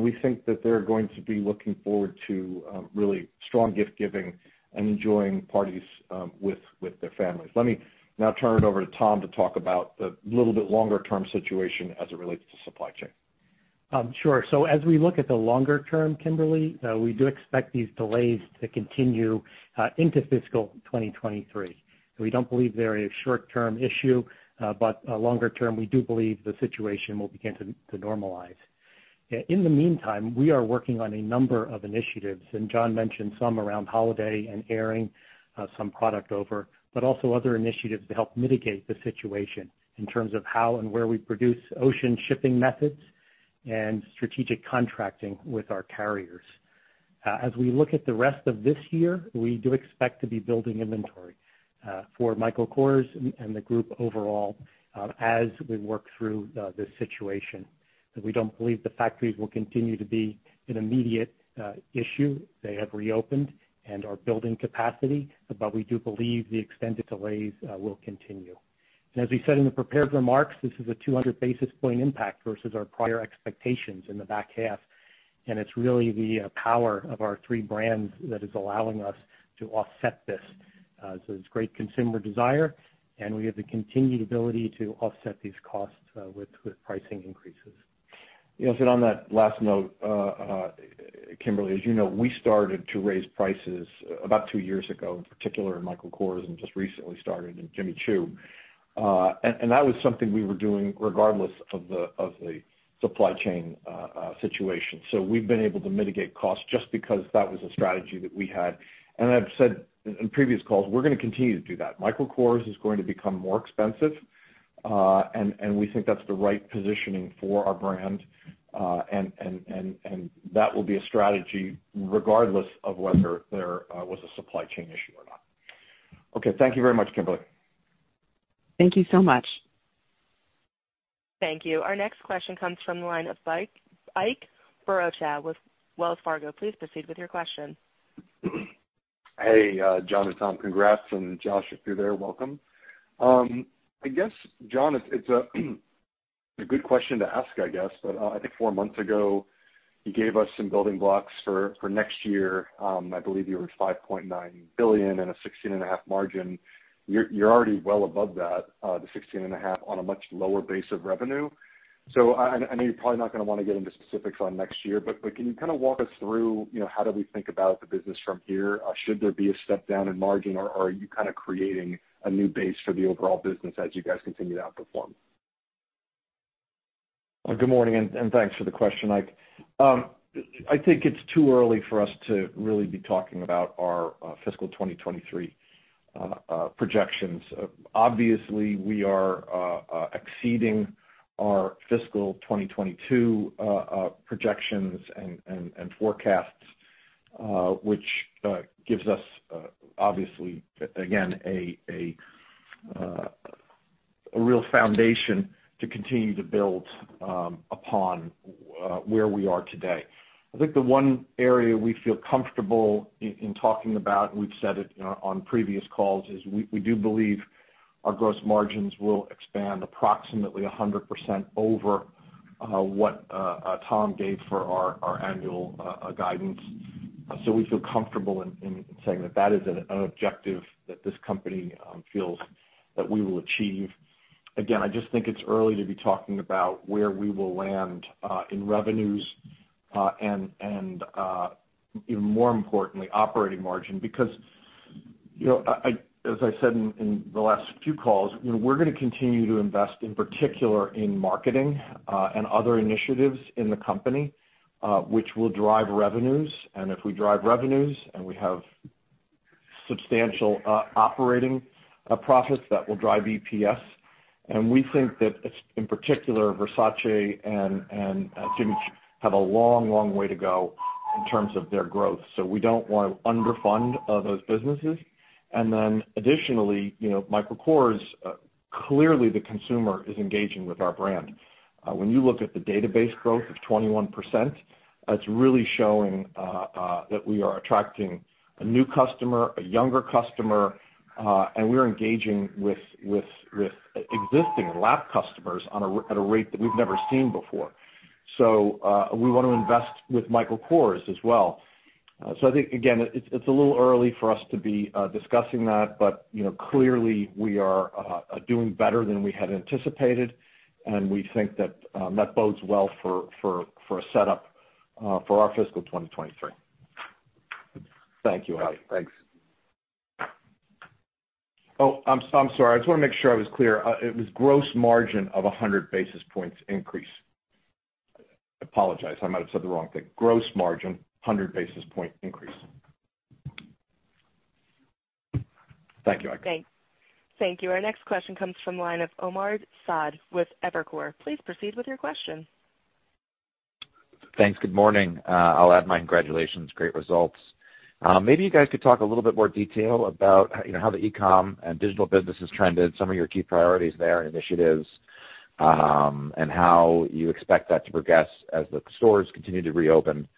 C: We think that they're going to be looking forward to really strong gift giving and enjoying parties with their families. Let me now turn it over to Tom to talk about the little bit longer term situation as it relates to supply chain.
D: Sure. As we look at the longer term, Kimberly, we do expect these delays to continue into fiscal 2023. We don't believe they're a short-term issue, but longer term, we do believe the situation will begin to normalize. In the meantime, we are working on a number of initiatives, and John mentioned some around holiday and airing some product over, but also other initiatives to help mitigate the situation in terms of how and where we produce ocean shipping methods and strategic contracting with our carriers. As we look at the rest of this year, we do expect to be building inventory for Michael Kors and the group overall, as we work through this situation. We don't believe the factories will continue to be an immediate issue. They have reopened and are building capacity, but we do believe the extended delays will continue. As we said in the prepared remarks, this is a 200 basis points impact versus our prior expectations in the back half, and it's really the power of our three brands that is allowing us to offset this. It's great consumer desire, and we have the continued ability to offset these costs with pricing increases.
C: You know, on that last note, Kimberly, as you know, we started to raise prices about two years ago, in particular in Michael Kors, and just recently started in Jimmy Choo. That was something we were doing regardless of the supply chain situation. We've been able to mitigate costs just because that was a strategy that we had. I've said in previous calls, we're gonna continue to do that. Michael Kors is going to become more expensive, and we think that's the right positioning for our brand. That will be a strategy regardless of whether there was a supply chain issue or not. Okay, thank you very much, Kimberly.
E: Thank you so much.
A: Thank you. Our next question comes from the line of Ike Boruchow with Wells Fargo. Please proceed with your question.
F: Hey, John and Tom, congrats, and Josh, if you're there, welcome. I guess, John, it's a good question to ask, I guess, but I think four months ago, you gave us some building blocks for next year. I believe you were at $5.9 billion and a 16.5% margin. You're already well above that, the 16.5% on a much lower base of revenue. So I know you're probably not gonna wanna get into specifics on next year, but can you kinda walk us through, you know, how do we think about the business from here? Should there be a step down in margin, or are you kinda creating a new base for the overall business as you guys continue to outperform?
C: Good morning, and thanks for the question, Ike. I think it's too early for us to really be talking about our fiscal 2023 projections. Obviously, we are exceeding our fiscal 2022 projections and forecasts, which gives us obviously, again a real foundation to continue to build upon where we are today. I think the one area we feel comfortable in talking about, we've said it on previous calls, is we do believe our gross margins will expand approximately 100% over what Tom gave for our annual guidance. We feel comfortable in saying that is an objective that this company feels that we will achieve. Again, I just think it's early to be talking about where we will land in revenues and even more importantly, operating margin. Because, you know, I, as I said in the last few calls, you know, we're gonna continue to invest, in particular in marketing and other initiatives in the company, which will drive revenues. If we drive revenues and we have substantial operating profits, that will drive EPS. We think that it's in particular Versace and Jimmy Choo have a long, long way to go in terms of their growth. We don't wanna underfund those businesses. Additionally, you know, Michael Kors, clearly the consumer is engaging with our brand. When you look at the database growth of 21%, that's really showing that we are attracting a new customer, a younger customer, and we're engaging with existing loyal customers at a rate that we've never seen before. We want to invest with Michael Kors as well. I think again, it's a little early for us to be discussing that, but you know, clearly we are doing better than we had anticipated, and we think that bodes well for a setup for our fiscal 2023. Thank you, Ike.
F: Thanks.
C: Oh, I'm sorry. I just wanna make sure I was clear. It was gross margin of 100 basis points increase. I apologize, I might have said the wrong thing. Gross margin, 100 basis point increase. Thank you, Ike.
A: Thanks. Thank you. Our next question comes from the line of Omar Saad with Evercore. Please proceed with your question.
G: Thanks. Good morning. I'll add my congratulations. Great results. Maybe you guys could talk a little bit more detail about, you know, how the e-com and digital business has trended, some of your key priorities there and initiatives, and how you expect that to progress as the stores continue to reopen, and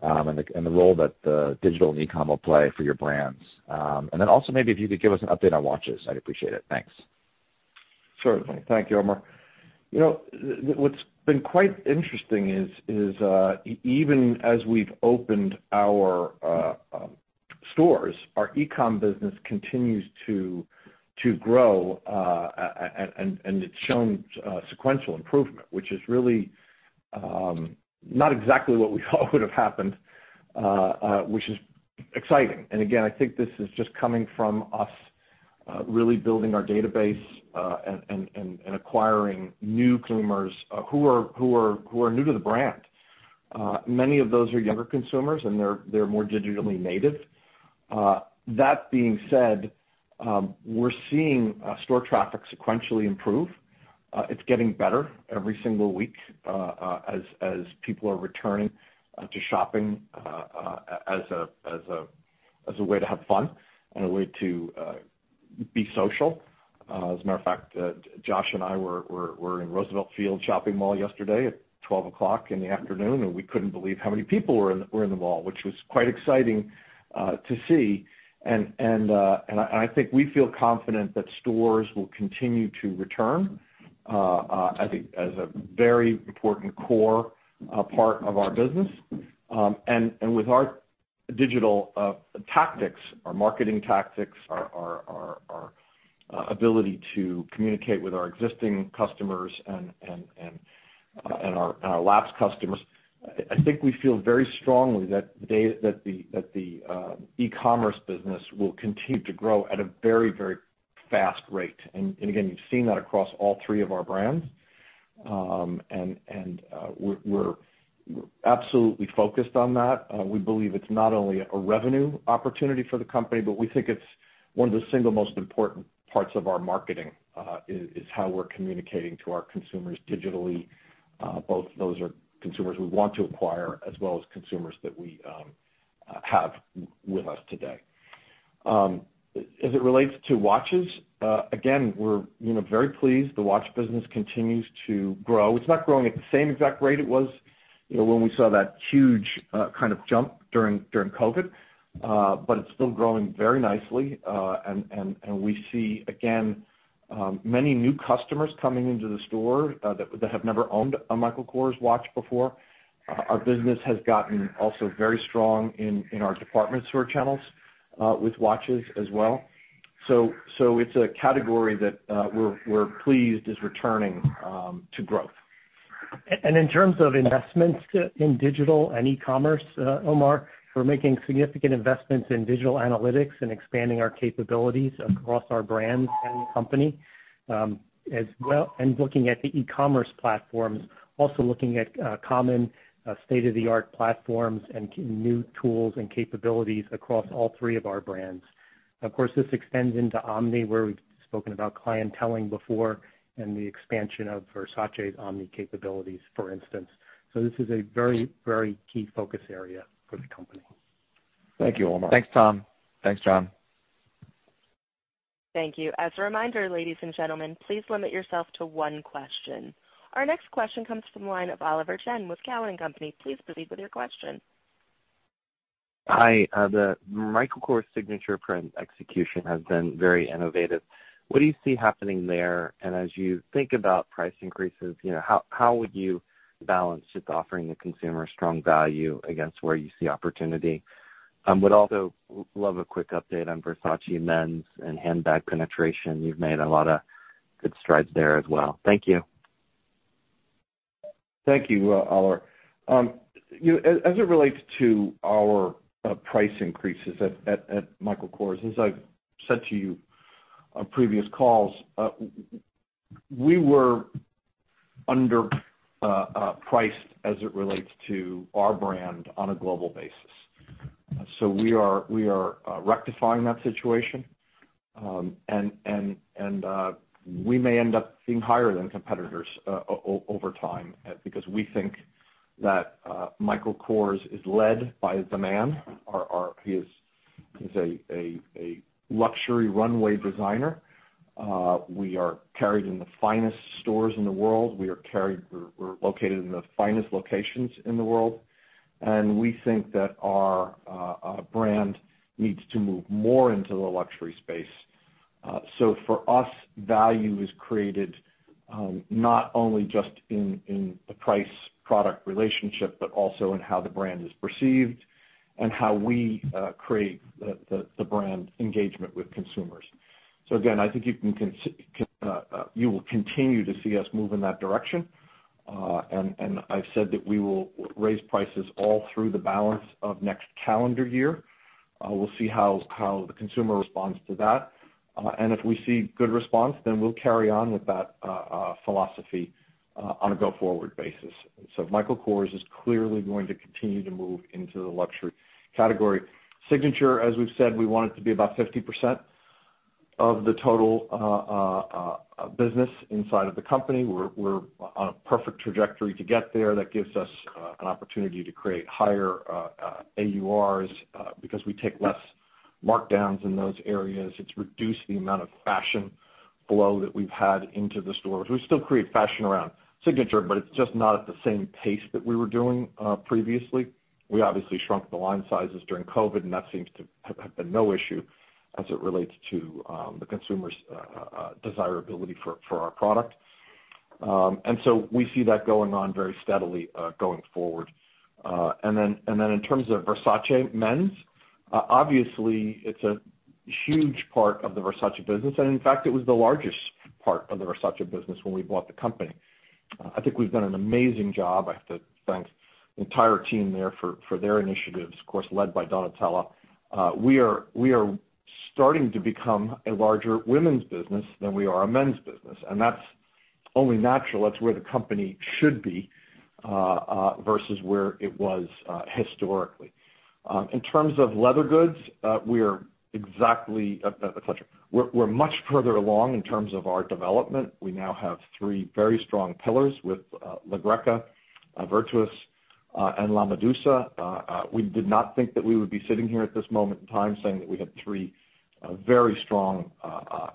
G: the role that digital and e-com will play for your brands. Also maybe if you could give us an update on watches, I'd appreciate it. Thanks.
C: Certainly. Thank you, Omar. You know, what's been quite interesting is even as we've opened our stores, our e-com business continues to grow and it's shown sequential improvement, which is really not exactly what we hoped would have happened, which is exciting. I think this is just coming from us really building our database and acquiring new consumers who are new to the brand. Many of those are younger consumers, and they're more digitally native. That being said, we're seeing store traffic sequentially improve. It's getting better every single week as people are returning to shopping as a way to have fun and a way to be social. As a matter of fact, Josh and I were in Roosevelt Field Shopping Mall yesterday at 12:00 P.M., and we couldn't believe how many people were in the mall, which was quite exciting to see. I think we feel confident that stores will continue to return as a very important core part of our business. With our digital tactics, our marketing tactics, our ability to communicate with our existing customers and our lapsed customers, I think we feel very strongly that the e-commerce business will continue to grow at a very fast rate. Again, you've seen that across all three of our brands. We're absolutely focused on that. We believe it's not only a revenue opportunity for the company, but we think it's one of the single most important parts of our marketing, how we're communicating to our consumers digitally. Both those are consumers we want to acquire as well as consumers that we have with us today. As it relates to watches, again, we're, you know, very pleased. The watch business continues to grow. It's not growing at the same exact rate it was, you know, when we saw that huge kind of jump during COVID, but it's still growing very nicely. We see, again, many new customers coming into the store that have never owned a Michael Kors watch before. Our business has gotten also very strong in our department store channels with watches as well. It's a category that we're pleased is returning to growth.
D: In terms of investments in digital and e-commerce, Omar, we're making significant investments in digital analytics and expanding our capabilities across our brands and the company, as well, and looking at the e-commerce platforms, also looking at common, state-of-the-art platforms and new tools and capabilities across all three of our brands. Of course, this extends into omni, where we've spoken about clienteling before and the expansion of Versace's omni capabilities, for instance. This is a very, very key focus area for the company.
C: Thank you, Omar.
G: Thanks, Tom. Thanks, John.
A: Thank you. As a reminder, ladies and gentlemen, please limit yourself to one question. Our next question comes from the line of Oliver Chen with Cowen and Company. Please proceed with your question.
H: Hi. The Michael Kors Signature print execution has been very innovative. What do you see happening there? As you think about price increases, you know, how would you balance just offering the consumer strong value against where you see opportunity? Would also love a quick update on Versace men's and handbag penetration. You've made a lot of good strides there as well. Thank you.
C: Thank you, Oliver. You know, as it relates to our price increases at Michael Kors, as I've said to you on previous calls, we were underpriced as it relates to our brand on a global basis. We are rectifying that situation. We may end up being higher than competitors over time because we think that Michael Kors is led by demand. He is a luxury runway designer. We are carried in the finest stores in the world. We're located in the finest locations in the world, and we think that our brand needs to move more into the luxury space. For us, value is created, not only just in the price product relationship, but also in how the brand is perceived and how we create the brand engagement with consumers. I think you will continue to see us move in that direction. I've said that we will raise prices all through the balance of next calendar year. We'll see how the consumer responds to that. If we see good response, then we'll carry on with that philosophy on a go-forward basis. Michael Kors is clearly going to continue to move into the luxury category. Signature, as we've said, we want it to be about 50% of the total business inside of the company. We're on a perfect trajectory to get there. That gives us an opportunity to create higher AURs because we take less markdowns in those areas. It's reduced the amount of fashion flow that we've had into the stores. We still create fashion around Signature, but it's just not at the same pace that we were doing previously. We obviously shrunk the line sizes during COVID, and that seems to have been no issue as it relates to the consumer's desirability for our product. We see that going on very steadily going forward. In terms of Versace men's, obviously it's a huge part of the Versace business, and in fact, it was the largest part of the Versace business when we bought the company. I think we've done an amazing job. I have to thank the entire team there for their initiatives, of course, led by Donatella. We are starting to become a larger women's business than we are a men's business, and that's only natural. That's where the company should be versus where it was historically. In terms of leather goods, we're much further along in terms of our development. We now have three very strong pillars with La Greca, Virtus, and La Medusa. We did not think that we would be sitting here at this moment in time saying that we have three very strong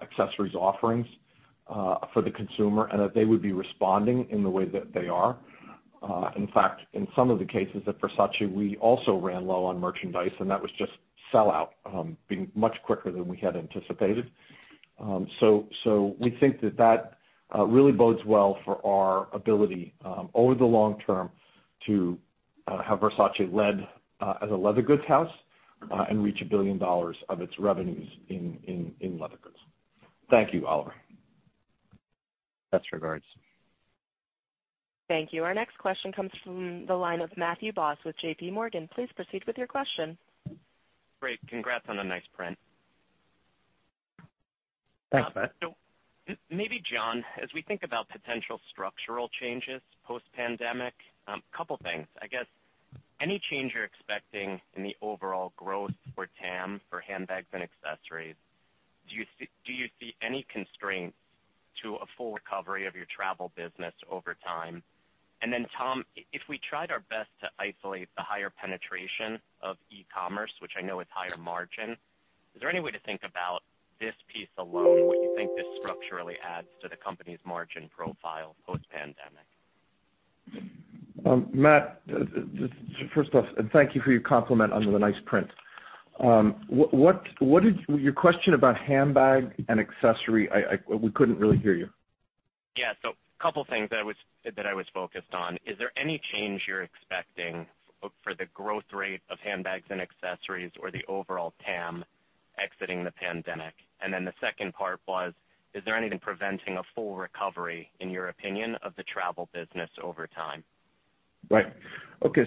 C: accessories offerings for the consumer, and that they would be responding in the way that they are. In fact, in some of the cases at Versace, we also ran low on merchandise, and that was just sellout being much quicker than we had anticipated. We think that really bodes well for our ability over the long term to have Versace led as a leather goods house and reach $1 billion of its revenues in leather goods. Thank you, Oliver.
H: Best regards.
A: Thank you. Our next question comes from the line of Matthew Boss with JPMorgan. Please proceed with your question.
I: Great. Congrats on the nice print.
C: Thanks, Matt.
I: Maybe, John, as we think about potential structural changes post-pandemic, couple things. I guess, any change you're expecting in the overall growth for TAM for handbags and accessories, do you see any constraints to a full recovery of your travel business over time? Then Tom, if we tried our best to isolate the higher penetration of e-commerce, which I know is higher margin, is there any way to think about this piece alone, what you think this structurally adds to the company's margin profile post-pandemic?
C: Matt, first off, thank you for your compliment on the nice print. Your question about handbag and accessory, we couldn't really hear you.
I: Yeah. A couple things that I was focused on. Is there any change you're expecting for the growth rate of handbags and accessories or the overall TAM exiting the pandemic? The second part was, is there anything preventing a full recovery, in your opinion, of the travel business over time?
C: Right. Okay.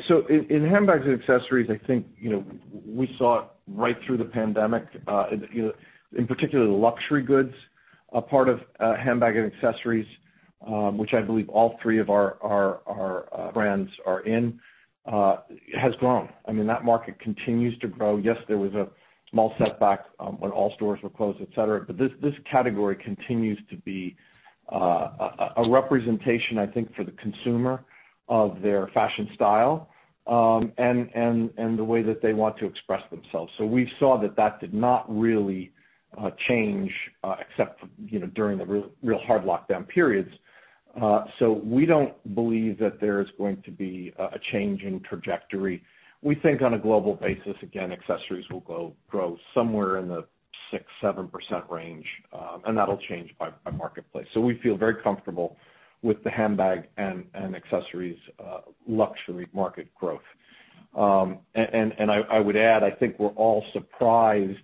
C: In handbags and accessories, I think, you know, we saw it right through the pandemic, you know, in particular the luxury goods part of handbag and accessories, which I believe all three of our brands are in has grown. I mean, that market continues to grow. Yes, there was a small setback when all stores were closed, et cetera. This category continues to be a representation, I think, for the consumer of their fashion style and the way that they want to express themselves. We saw that did not really change except for, you know, during the real hard lockdown periods. We don't believe that there is going to be a change in trajectory. We think on a global basis, again, accessories will grow somewhere in the 6%-7% range, and that'll change by marketplace. We feel very comfortable with the handbag and accessories luxury market growth. I would add, I think we're all surprised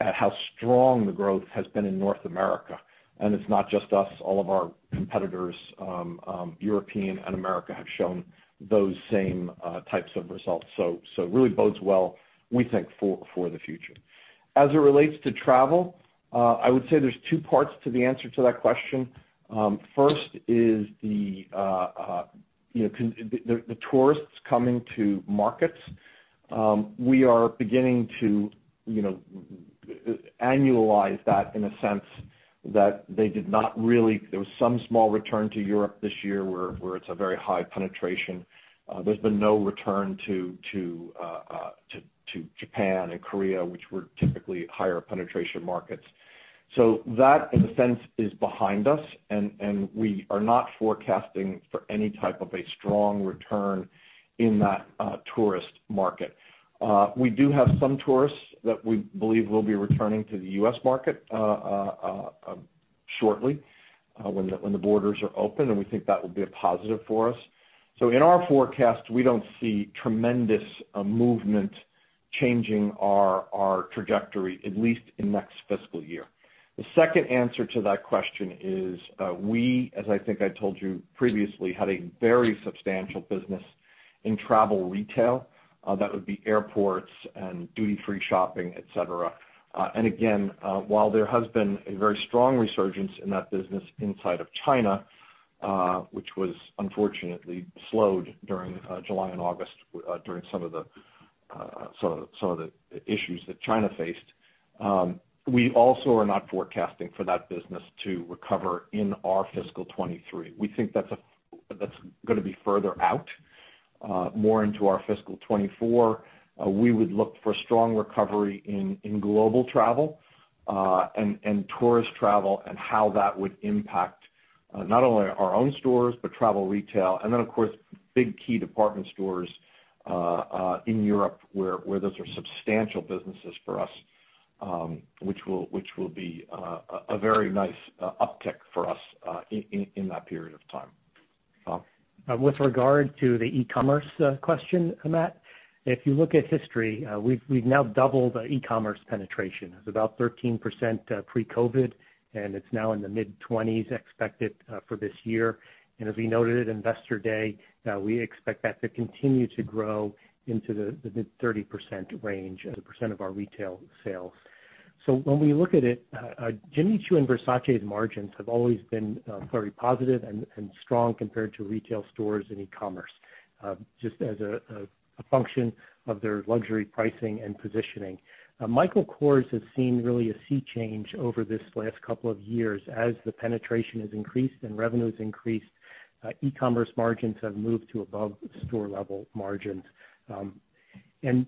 C: at how strong the growth has been in North America. It's not just us. All of our competitors, European and American, have shown those same types of results. It really bodes well, we think, for the future. As it relates to travel, I would say there's two parts to the answer to that question. First is the tourists coming to markets. We are beginning to annualize that, you know, in a sense. There was some small return to Europe this year, where it's a very high penetration. There's been no return to Japan and Korea, which were typically higher penetration markets. That, in a sense, is behind us, and we are not forecasting for any type of a strong return in that tourist market. We do have some tourists that we believe will be returning to the U.S. market shortly, when the borders are open, and we think that will be a positive for us. In our forecast, we don't see tremendous movement changing our trajectory, at least in next fiscal year. The second answer to that question is, we as I think I told you previously had a very substantial business in travel retail. That would be airports and duty-free shopping, et cetera. Again, while there has been a very strong resurgence in that business inside of China, which was unfortunately slowed during July and August, during some of the issues that China faced, we also are not forecasting for that business to recover in our fiscal 2023. We think that's gonna be further out, more into our fiscal 2024. We would look for strong recovery in global travel and tourist travel and how that would impact not only our own stores, but travel retail, and then of course, big key department stores in Europe where those are substantial businesses for us, which will be a very nice uptick for us in that period of time. Tom?
D: With regard to the e-commerce question, Matt, if you look at history, we've now doubled the e-commerce penetration. It's about 13% pre-COVID, and it's now in the mid-20s% expected for this year. As we noted at Investor Day, we expect that to continue to grow into the mid-30% range as a percent of our retail sales. When we look at it, Jimmy Choo and Versace's margins have always been very positive and strong compared to retail stores and e-commerce just as a function of their luxury pricing and positioning. Michael Kors has seen really a sea change over this last couple of years. As the penetration has increased and revenues increased, e-commerce margins have moved to above store-level margins.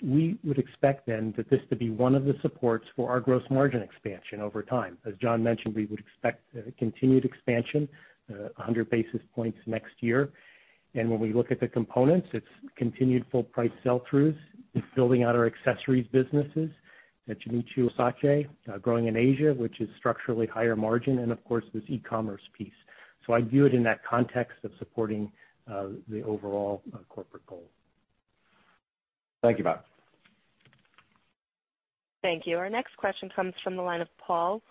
D: We would expect then that this to be one of the supports for our gross margin expansion over time. As John mentioned, we would expect a continued expansion, 100 basis points next year. When we look at the components, it's continued full price sell-throughs. It's building out our accessories businesses at Jimmy Choo, Versace, growing in Asia, which is structurally higher margin, and of course, this e-commerce piece. I view it in that context of supporting the overall corporate goal.
C: Thank you, Tom.
A: Thank you. Our next question comes from the line of Paul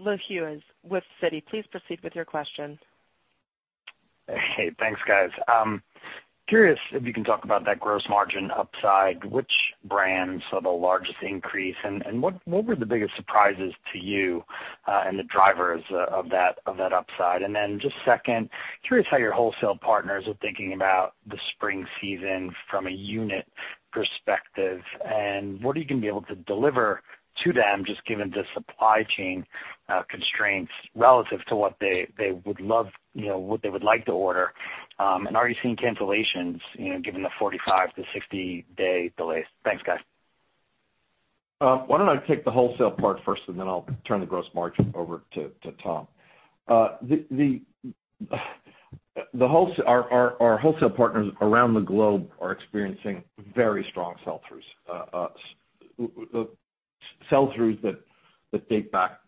A: Lejuez with Citi. Please proceed with your question.
J: Hey, thanks, guys. Curious if you can talk about that gross margin upside, which brands saw the largest increase, and what were the biggest surprises to you, and the drivers of that upside? Then just second, curious how your wholesale partners are thinking about the spring season from a unit perspective, and what are you gonna be able to deliver to them just given the supply chain constraints relative to what they would love, you know, what they would like to order, and are you seeing cancellations, you know, given the 45-60-day delays? Thanks, guys.
C: Why don't I take the wholesale part first, and then I'll turn the gross margin over to Tom. Our wholesale partners around the globe are experiencing very strong sell-throughs. Sell-throughs that date back,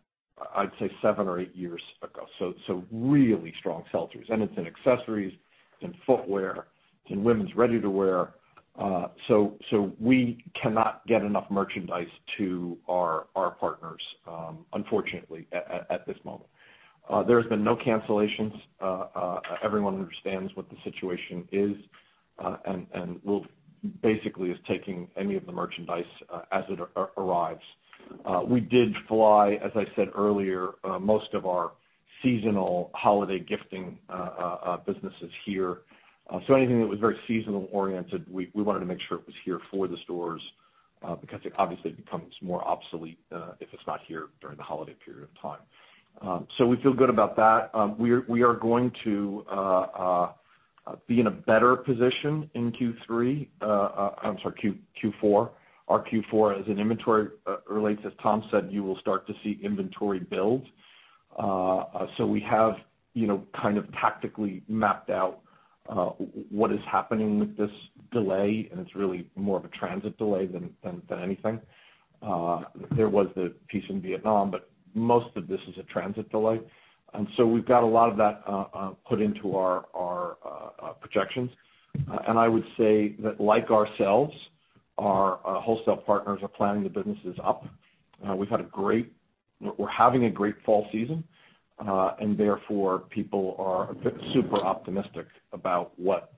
C: I'd say seven or eight years ago, so really strong sell-throughs. It's in accessories, it's in footwear, it's in women's ready-to-wear. We cannot get enough merchandise to our partners, unfortunately at this moment. There has been no cancellations. Everyone understands what the situation is, and will basically is taking any of the merchandise, as it arrives. We did fly, as I said earlier, most of our seasonal holiday gifting businesses here. Anything that was very seasonal oriented, we wanted to make sure it was here for the stores, because it obviously becomes more obsolete if it's not here during the holiday period of time. We feel good about that. We are going to be in a better position in Q3, I'm sorry, Q4. Our Q4, as in inventory, relates as Tom said, you will start to see inventory build. We have, you know, kind of tactically mapped out what is happening with this delay, and it's really more of a transit delay than anything. There was the piece in Vietnam, but most of this is a transit delay. We've got a lot of that put into our projections. I would say that like ourselves, our wholesale partners are planning the businesses up. We're having a great fall season, and therefore, people are super optimistic about what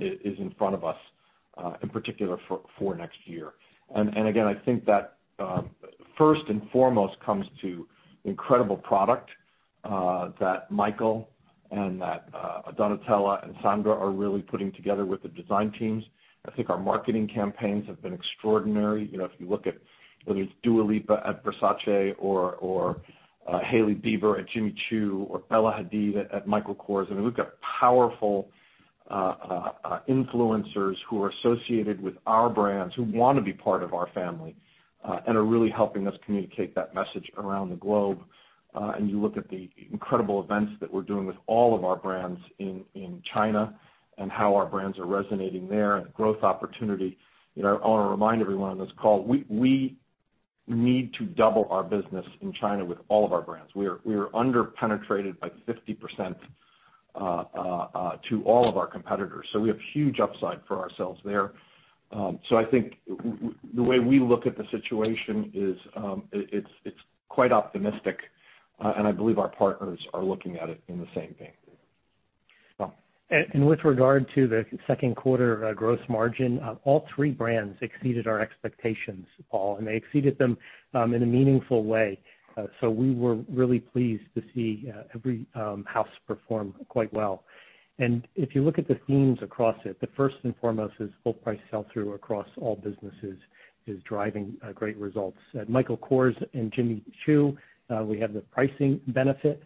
C: is in front of us, in particular for next year. Again, I think that first and foremost comes to incredible product that Michael and Donatella and Sandra are really putting together with the design teams. I think our marketing campaigns have been extraordinary. You know, if you look at whether it's Dua Lipa at Versace or Hailey Bieber at Jimmy Choo or Bella Hadid at Michael Kors. I mean, we've got powerful influencers who are associated with our brands, who wanna be part of our family and are really helping us communicate that message around the globe. You look at the incredible events that we're doing with all of our brands in China and how our brands are resonating there and the growth opportunity. You know, I wanna remind everyone on this call, we need to double our business in China with all of our brands. We are under-penetrated by 50% to all of our competitors. So we have huge upside for ourselves there. I think the way we look at the situation is, it's quite optimistic and I believe our partners are looking at it in the same vein. Tom.
D: With regard to the second quarter gross margin, all three brands exceeded our expectations, Paul, and they exceeded them in a meaningful way. We were really pleased to see every house perform quite well. If you look at the themes across it, the first and foremost is full price sell-through across all businesses is driving great results. At Michael Kors and Jimmy Choo, we have the pricing benefit.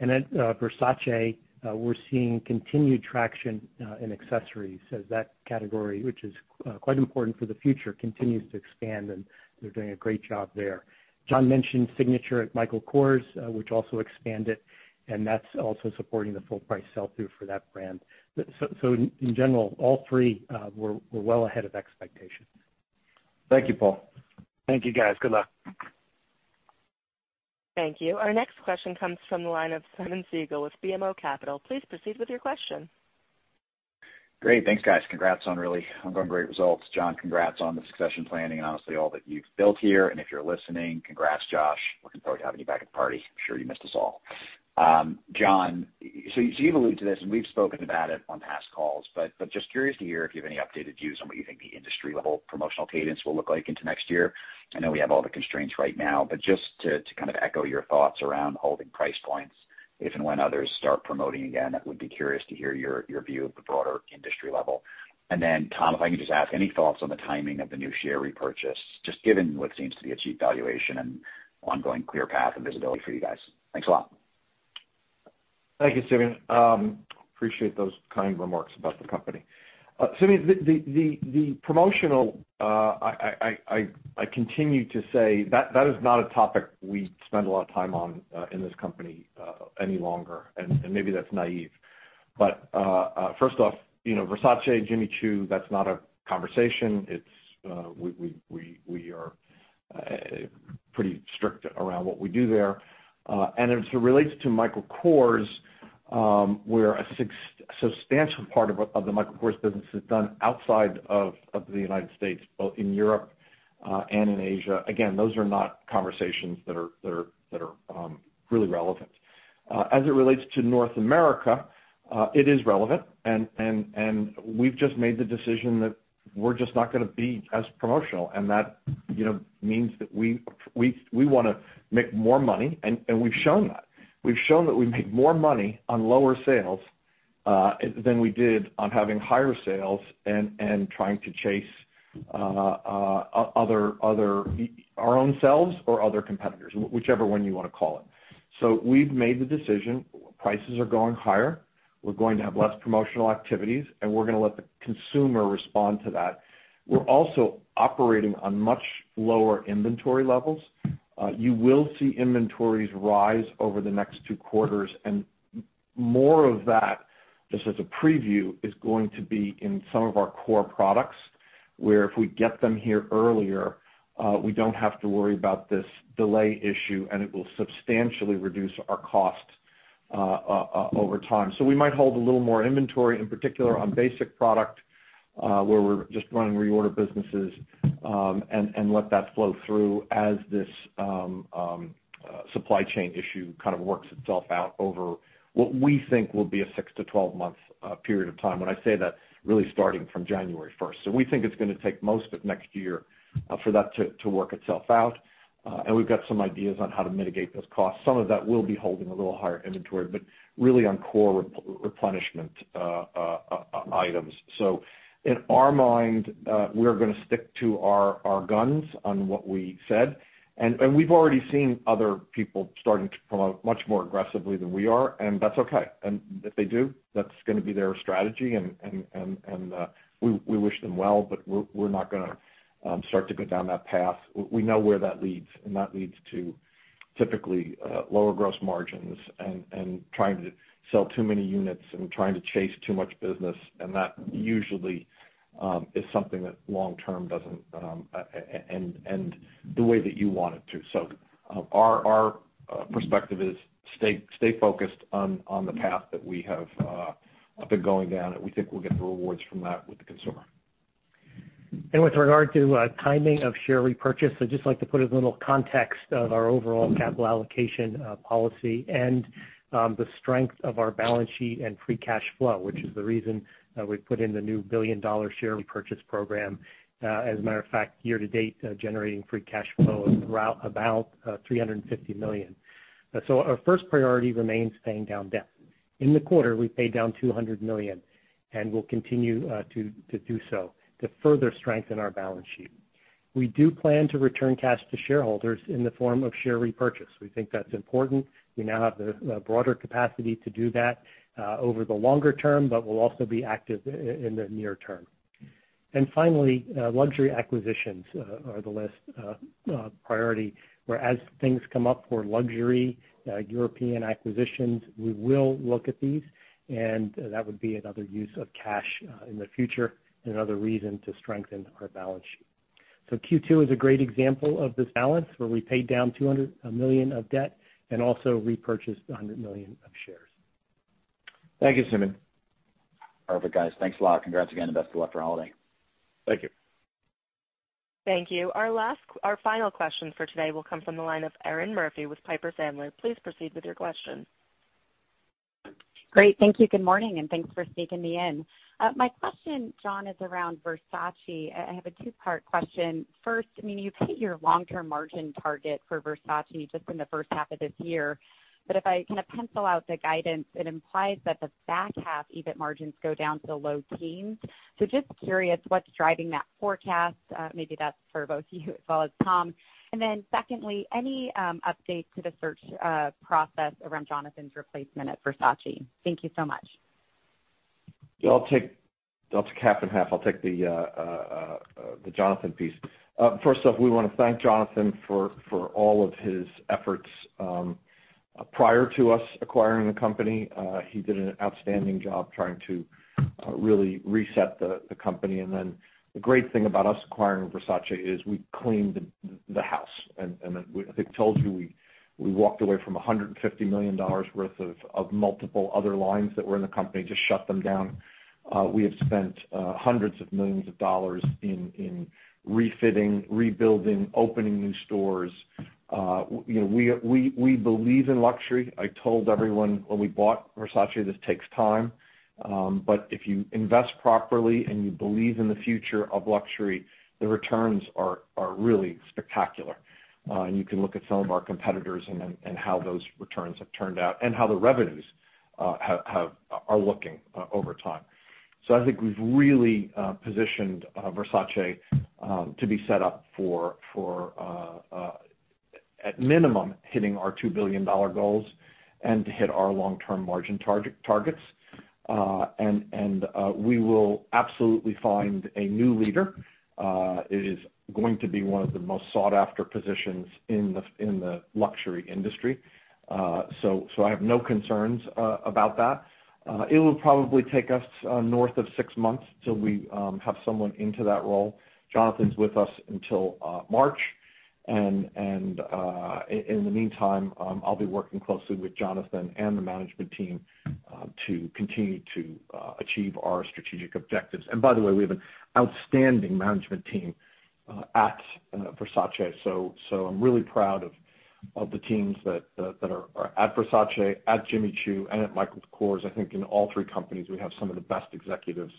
D: At Versace, we're seeing continued traction in accessories as that category, which is quite important for the future, continues to expand, and they're doing a great job there. John mentioned Signature at Michael Kors, which also expanded, and that's also supporting the full price sell-through for that brand. In general, all three were well ahead of expectations.
C: Thank you, Paul.
J: Thank you, guys. Good luck.
A: Thank you. Our next question comes from the line of Simeon Siegel with BMO Capital. Please proceed with your question.
K: Great. Thanks, guys. Congrats on really ongoing great results. John, congrats on the succession planning and honestly all that you've built here. If you're listening, congrats, Josh. Looking forward to having you back at the party. I'm sure you missed us all. John, so you've alluded to this, and we've spoken about it on past calls, but just curious to hear if you have any updated views on what you think the industry level promotional cadence will look like into next year. I know we have all the constraints right now, but just to kind of echo your thoughts around holding price points if and when others start promoting again, would be curious to hear your view of the broader industry level? Tom, if I can just ask, any thoughts on the timing of the new share repurchase, just given what seems to be a cheap valuation and ongoing clear path and visibility for you guys? Thanks a lot.
C: Thank you, Simeon. I appreciate those kind remarks about the company. Simeon, the promotional I continue to say that is not a topic we spend a lot of time on in this company any longer, and maybe that's naive. First off, you know, Versace, Jimmy Choo, that's not a conversation. We are pretty strict around what we do there. As it relates to Michael Kors, where a substantial part of the Michael Kors business is done outside of the United States, both in Europe and in Asia. Again, those are not conversations that are really relevant. As it relates to North America, it is relevant and we've just made the decision that we're just not gonna be as promotional. That, you know, means that we wanna make more money, and we've shown that. We've shown that we make more money on lower sales than we did on having higher sales and trying to chase other competitors, whichever one you wanna call it. We've made the decision. Prices are going higher. We're going to have less promotional activities, and we're gonna let the consumer respond to that. We're also operating on much lower inventory levels. You will see inventories rise over the next two quarters, and more of that, just as a preview, is going to be in some of our core products, where if we get them here earlier, we don't have to worry about this delay issue, and it will substantially reduce our cost over time. We might hold a little more inventory, in particular on basic product, where we're just running reorder businesses, and let that flow through as this supply chain issue kind of works itself out over what we think will be a six to 12-month period of time. When I say that, really starting from January first. We think it's gonna take most of next year for that to work itself out. We've got some ideas on how to mitigate those costs. Some of that will be holding a little higher inventory, but really on core replenishment items. In our mind, we're gonna stick to our guns on what we said. We've already seen other people starting to promote much more aggressively than we are, and that's okay. If they do, that's gonna be their strategy and we wish them well, but we're not gonna start to go down that path. We know where that leads, and that leads to typically lower gross margins and trying to sell too many units and trying to chase too much business. That usually is something that long term doesn't end the way that you want it to. Our perspective is stay focused on the path that we have been going down, and we think we'll get the rewards from that with the consumer.
D: With regard to timing of share repurchase, I'd just like to put a little context of our overall capital allocation policy and the strength of our balance sheet and free cash flow, which is the reason that we put in the new billion-dollar share repurchase program. As a matter of fact, year-to-date, generating free cash flow of about $350 million. Our first priority remains paying down debt. In the quarter, we paid down $200 million and will continue to do so to further strengthen our balance sheet. We do plan to return cash to shareholders in the form of share repurchase. We think that's important. We now have the broader capacity to do that over the longer term, but we'll also be active in the near term. Finally, luxury acquisitions are the last priority, whereas things come up for luxury European acquisitions, we will look at these, and that would be another use of cash in the future and another reason to strengthen our balance sheet. Q2 is a great example of this balance, where we paid down $200 million of debt and also repurchased $100 million of shares.
C: Thank you, Simeon.
K: Perfect, guys. Thanks a lot. Congrats again, and best of luck for holiday.
C: Thank you.
A: Thank you. Our final question for today will come from the line of Erinn Murphy with Piper Sandler. Please proceed with your question.
L: Great. Thank you. Good morning, and thanks for sneaking me in. My question, John, is around Versace. I have a two-part question. First, I mean, you hit your long-term margin target for Versace just in the first half of this year. If I kinda pencil out the guidance, it implies that the back half EBIT margins go down to low teens%. Just curious what's driving that forecast. Maybe that's for both you as well as Tom. Then secondly, any update to the search process around Jonathan's replacement at Versace? Thank you so much.
C: Yeah, I'll take half and half. I'll take the Jonathan piece. First off, we wanna thank Jonathan for all of his efforts prior to us acquiring the company. He did an outstanding job trying to really reset the company. Then the great thing about us acquiring Versace is we cleaned the house. I think I told you, we walked away from $150 million worth of multiple other lines that were in the company, just shut them down. We have spent hundreds of millions of dollars in refitting, rebuilding, opening new stores. You know, we believe in luxury. I told everyone when we bought Versace this takes time. If you invest properly and you believe in the future of luxury, the returns are really spectacular. You can look at some of our competitors and how those returns have turned out and how the revenues are looking over time. I think we've really positioned Versace to be set up for at minimum, hitting our $2 billion goals and to hit our long-term margin targets. We will absolutely find a new leader. It is going to be one of the most sought-after positions in the luxury industry. I have no concerns about that. It'll probably take us north of six months till we have someone into that role. Jonathan's with us until March. In the meantime, I'll be working closely with Jonathan and the management team to continue to achieve our strategic objectives. By the way, we have an outstanding management team at Versace. I'm really proud of the teams that are at Versace, at Jimmy Choo, and at Michael Kors. I think in all three companies, we have some of the best executives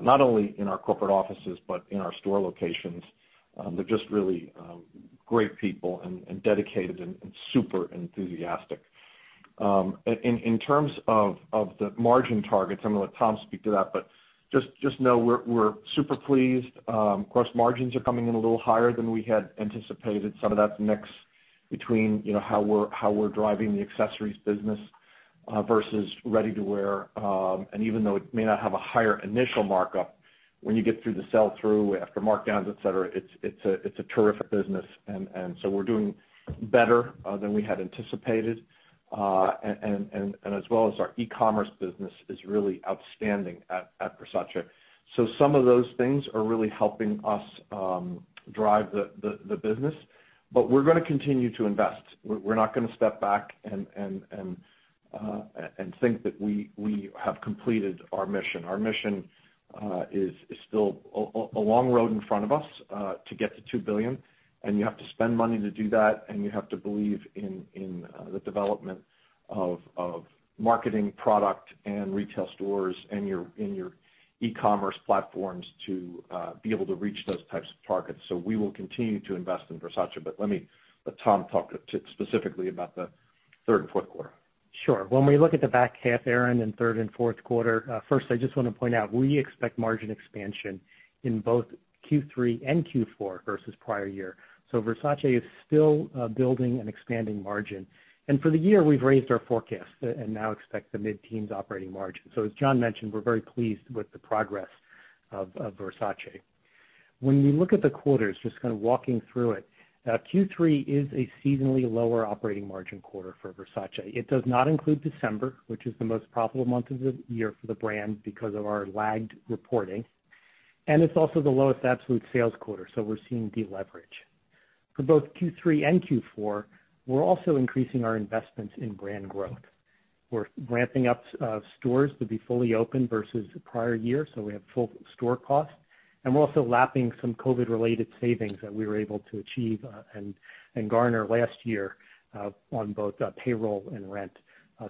C: not only in our corporate offices, but in our store locations. They're just really great people and dedicated and super enthusiastic. In terms of the margin targets, I'm gonna let Tom speak to that, but just know we're super pleased. Gross margins are coming in a little higher than we had anticipated. Some of that's mix between, you know, how we're driving the accessories business versus ready-to-wear. Even though it may not have a higher initial markup, when you get through the sell-through after markdowns, et cetera, it's a terrific business. We're doing better than we had anticipated. As well as our e-commerce business is really outstanding at Versace. Some of those things are really helping us drive the business. We're gonna continue to invest. We're not gonna step back and think that we have completed our mission. Our mission is still a long road in front of us to get to $2 billion. You have to spend money to do that, and you have to believe in the development of marketing product and retail stores and your e-commerce platforms to be able to reach those types of targets. We will continue to invest in Versace. Let me let Tom talk specifically about the third and fourth quarter.
D: Sure. When we look at the back half, Erinn, in third and fourth quarter, first, I just wanna point out, we expect margin expansion in both Q3 and Q4 versus prior year. Versace is still building and expanding margin. For the year, we've raised our forecast and now expect the mid-teens operating margin. As John mentioned, we're very pleased with the progress of Versace. When you look at the quarters, just kinda walking through it, Q3 is a seasonally lower operating margin quarter for Versace. It does not include December, which is the most profitable month of the year for the brand because of our lagged reporting. It's also the lowest absolute sales quarter, so we're seeing deleverage. For both Q3 and Q4, we're also increasing our investments in brand growth. We're ramping up stores to be fully open versus prior year, so we have full store costs. We're also lapping some COVID-related savings that we were able to achieve and garner last year on both payroll and rent.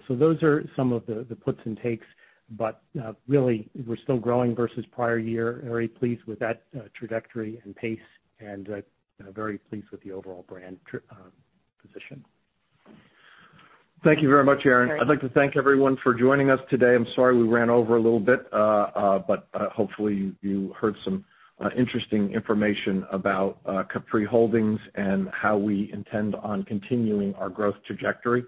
D: Those are some of the puts and takes, but really, we're still growing versus prior year. Very pleased with that trajectory and pace, and you know, very pleased with the overall brand position.
C: Thank you very much, Erinn. I'd like to thank everyone for joining us today. I'm sorry we ran over a little bit, but hopefully you heard some interesting information about Capri Holdings and how we intend on continuing our growth trajectory.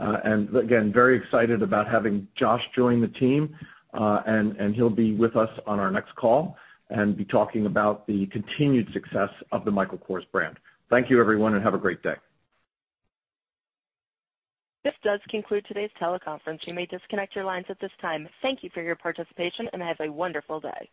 C: Again, very excited about having Josh join the team, and he'll be with us on our next call and be talking about the continued success of the Michael Kors brand. Thank you, everyone, and have a great day.
A: This does conclude today's teleconference. You may disconnect your lines at this time. Thank you for your participation, and have a wonderful day.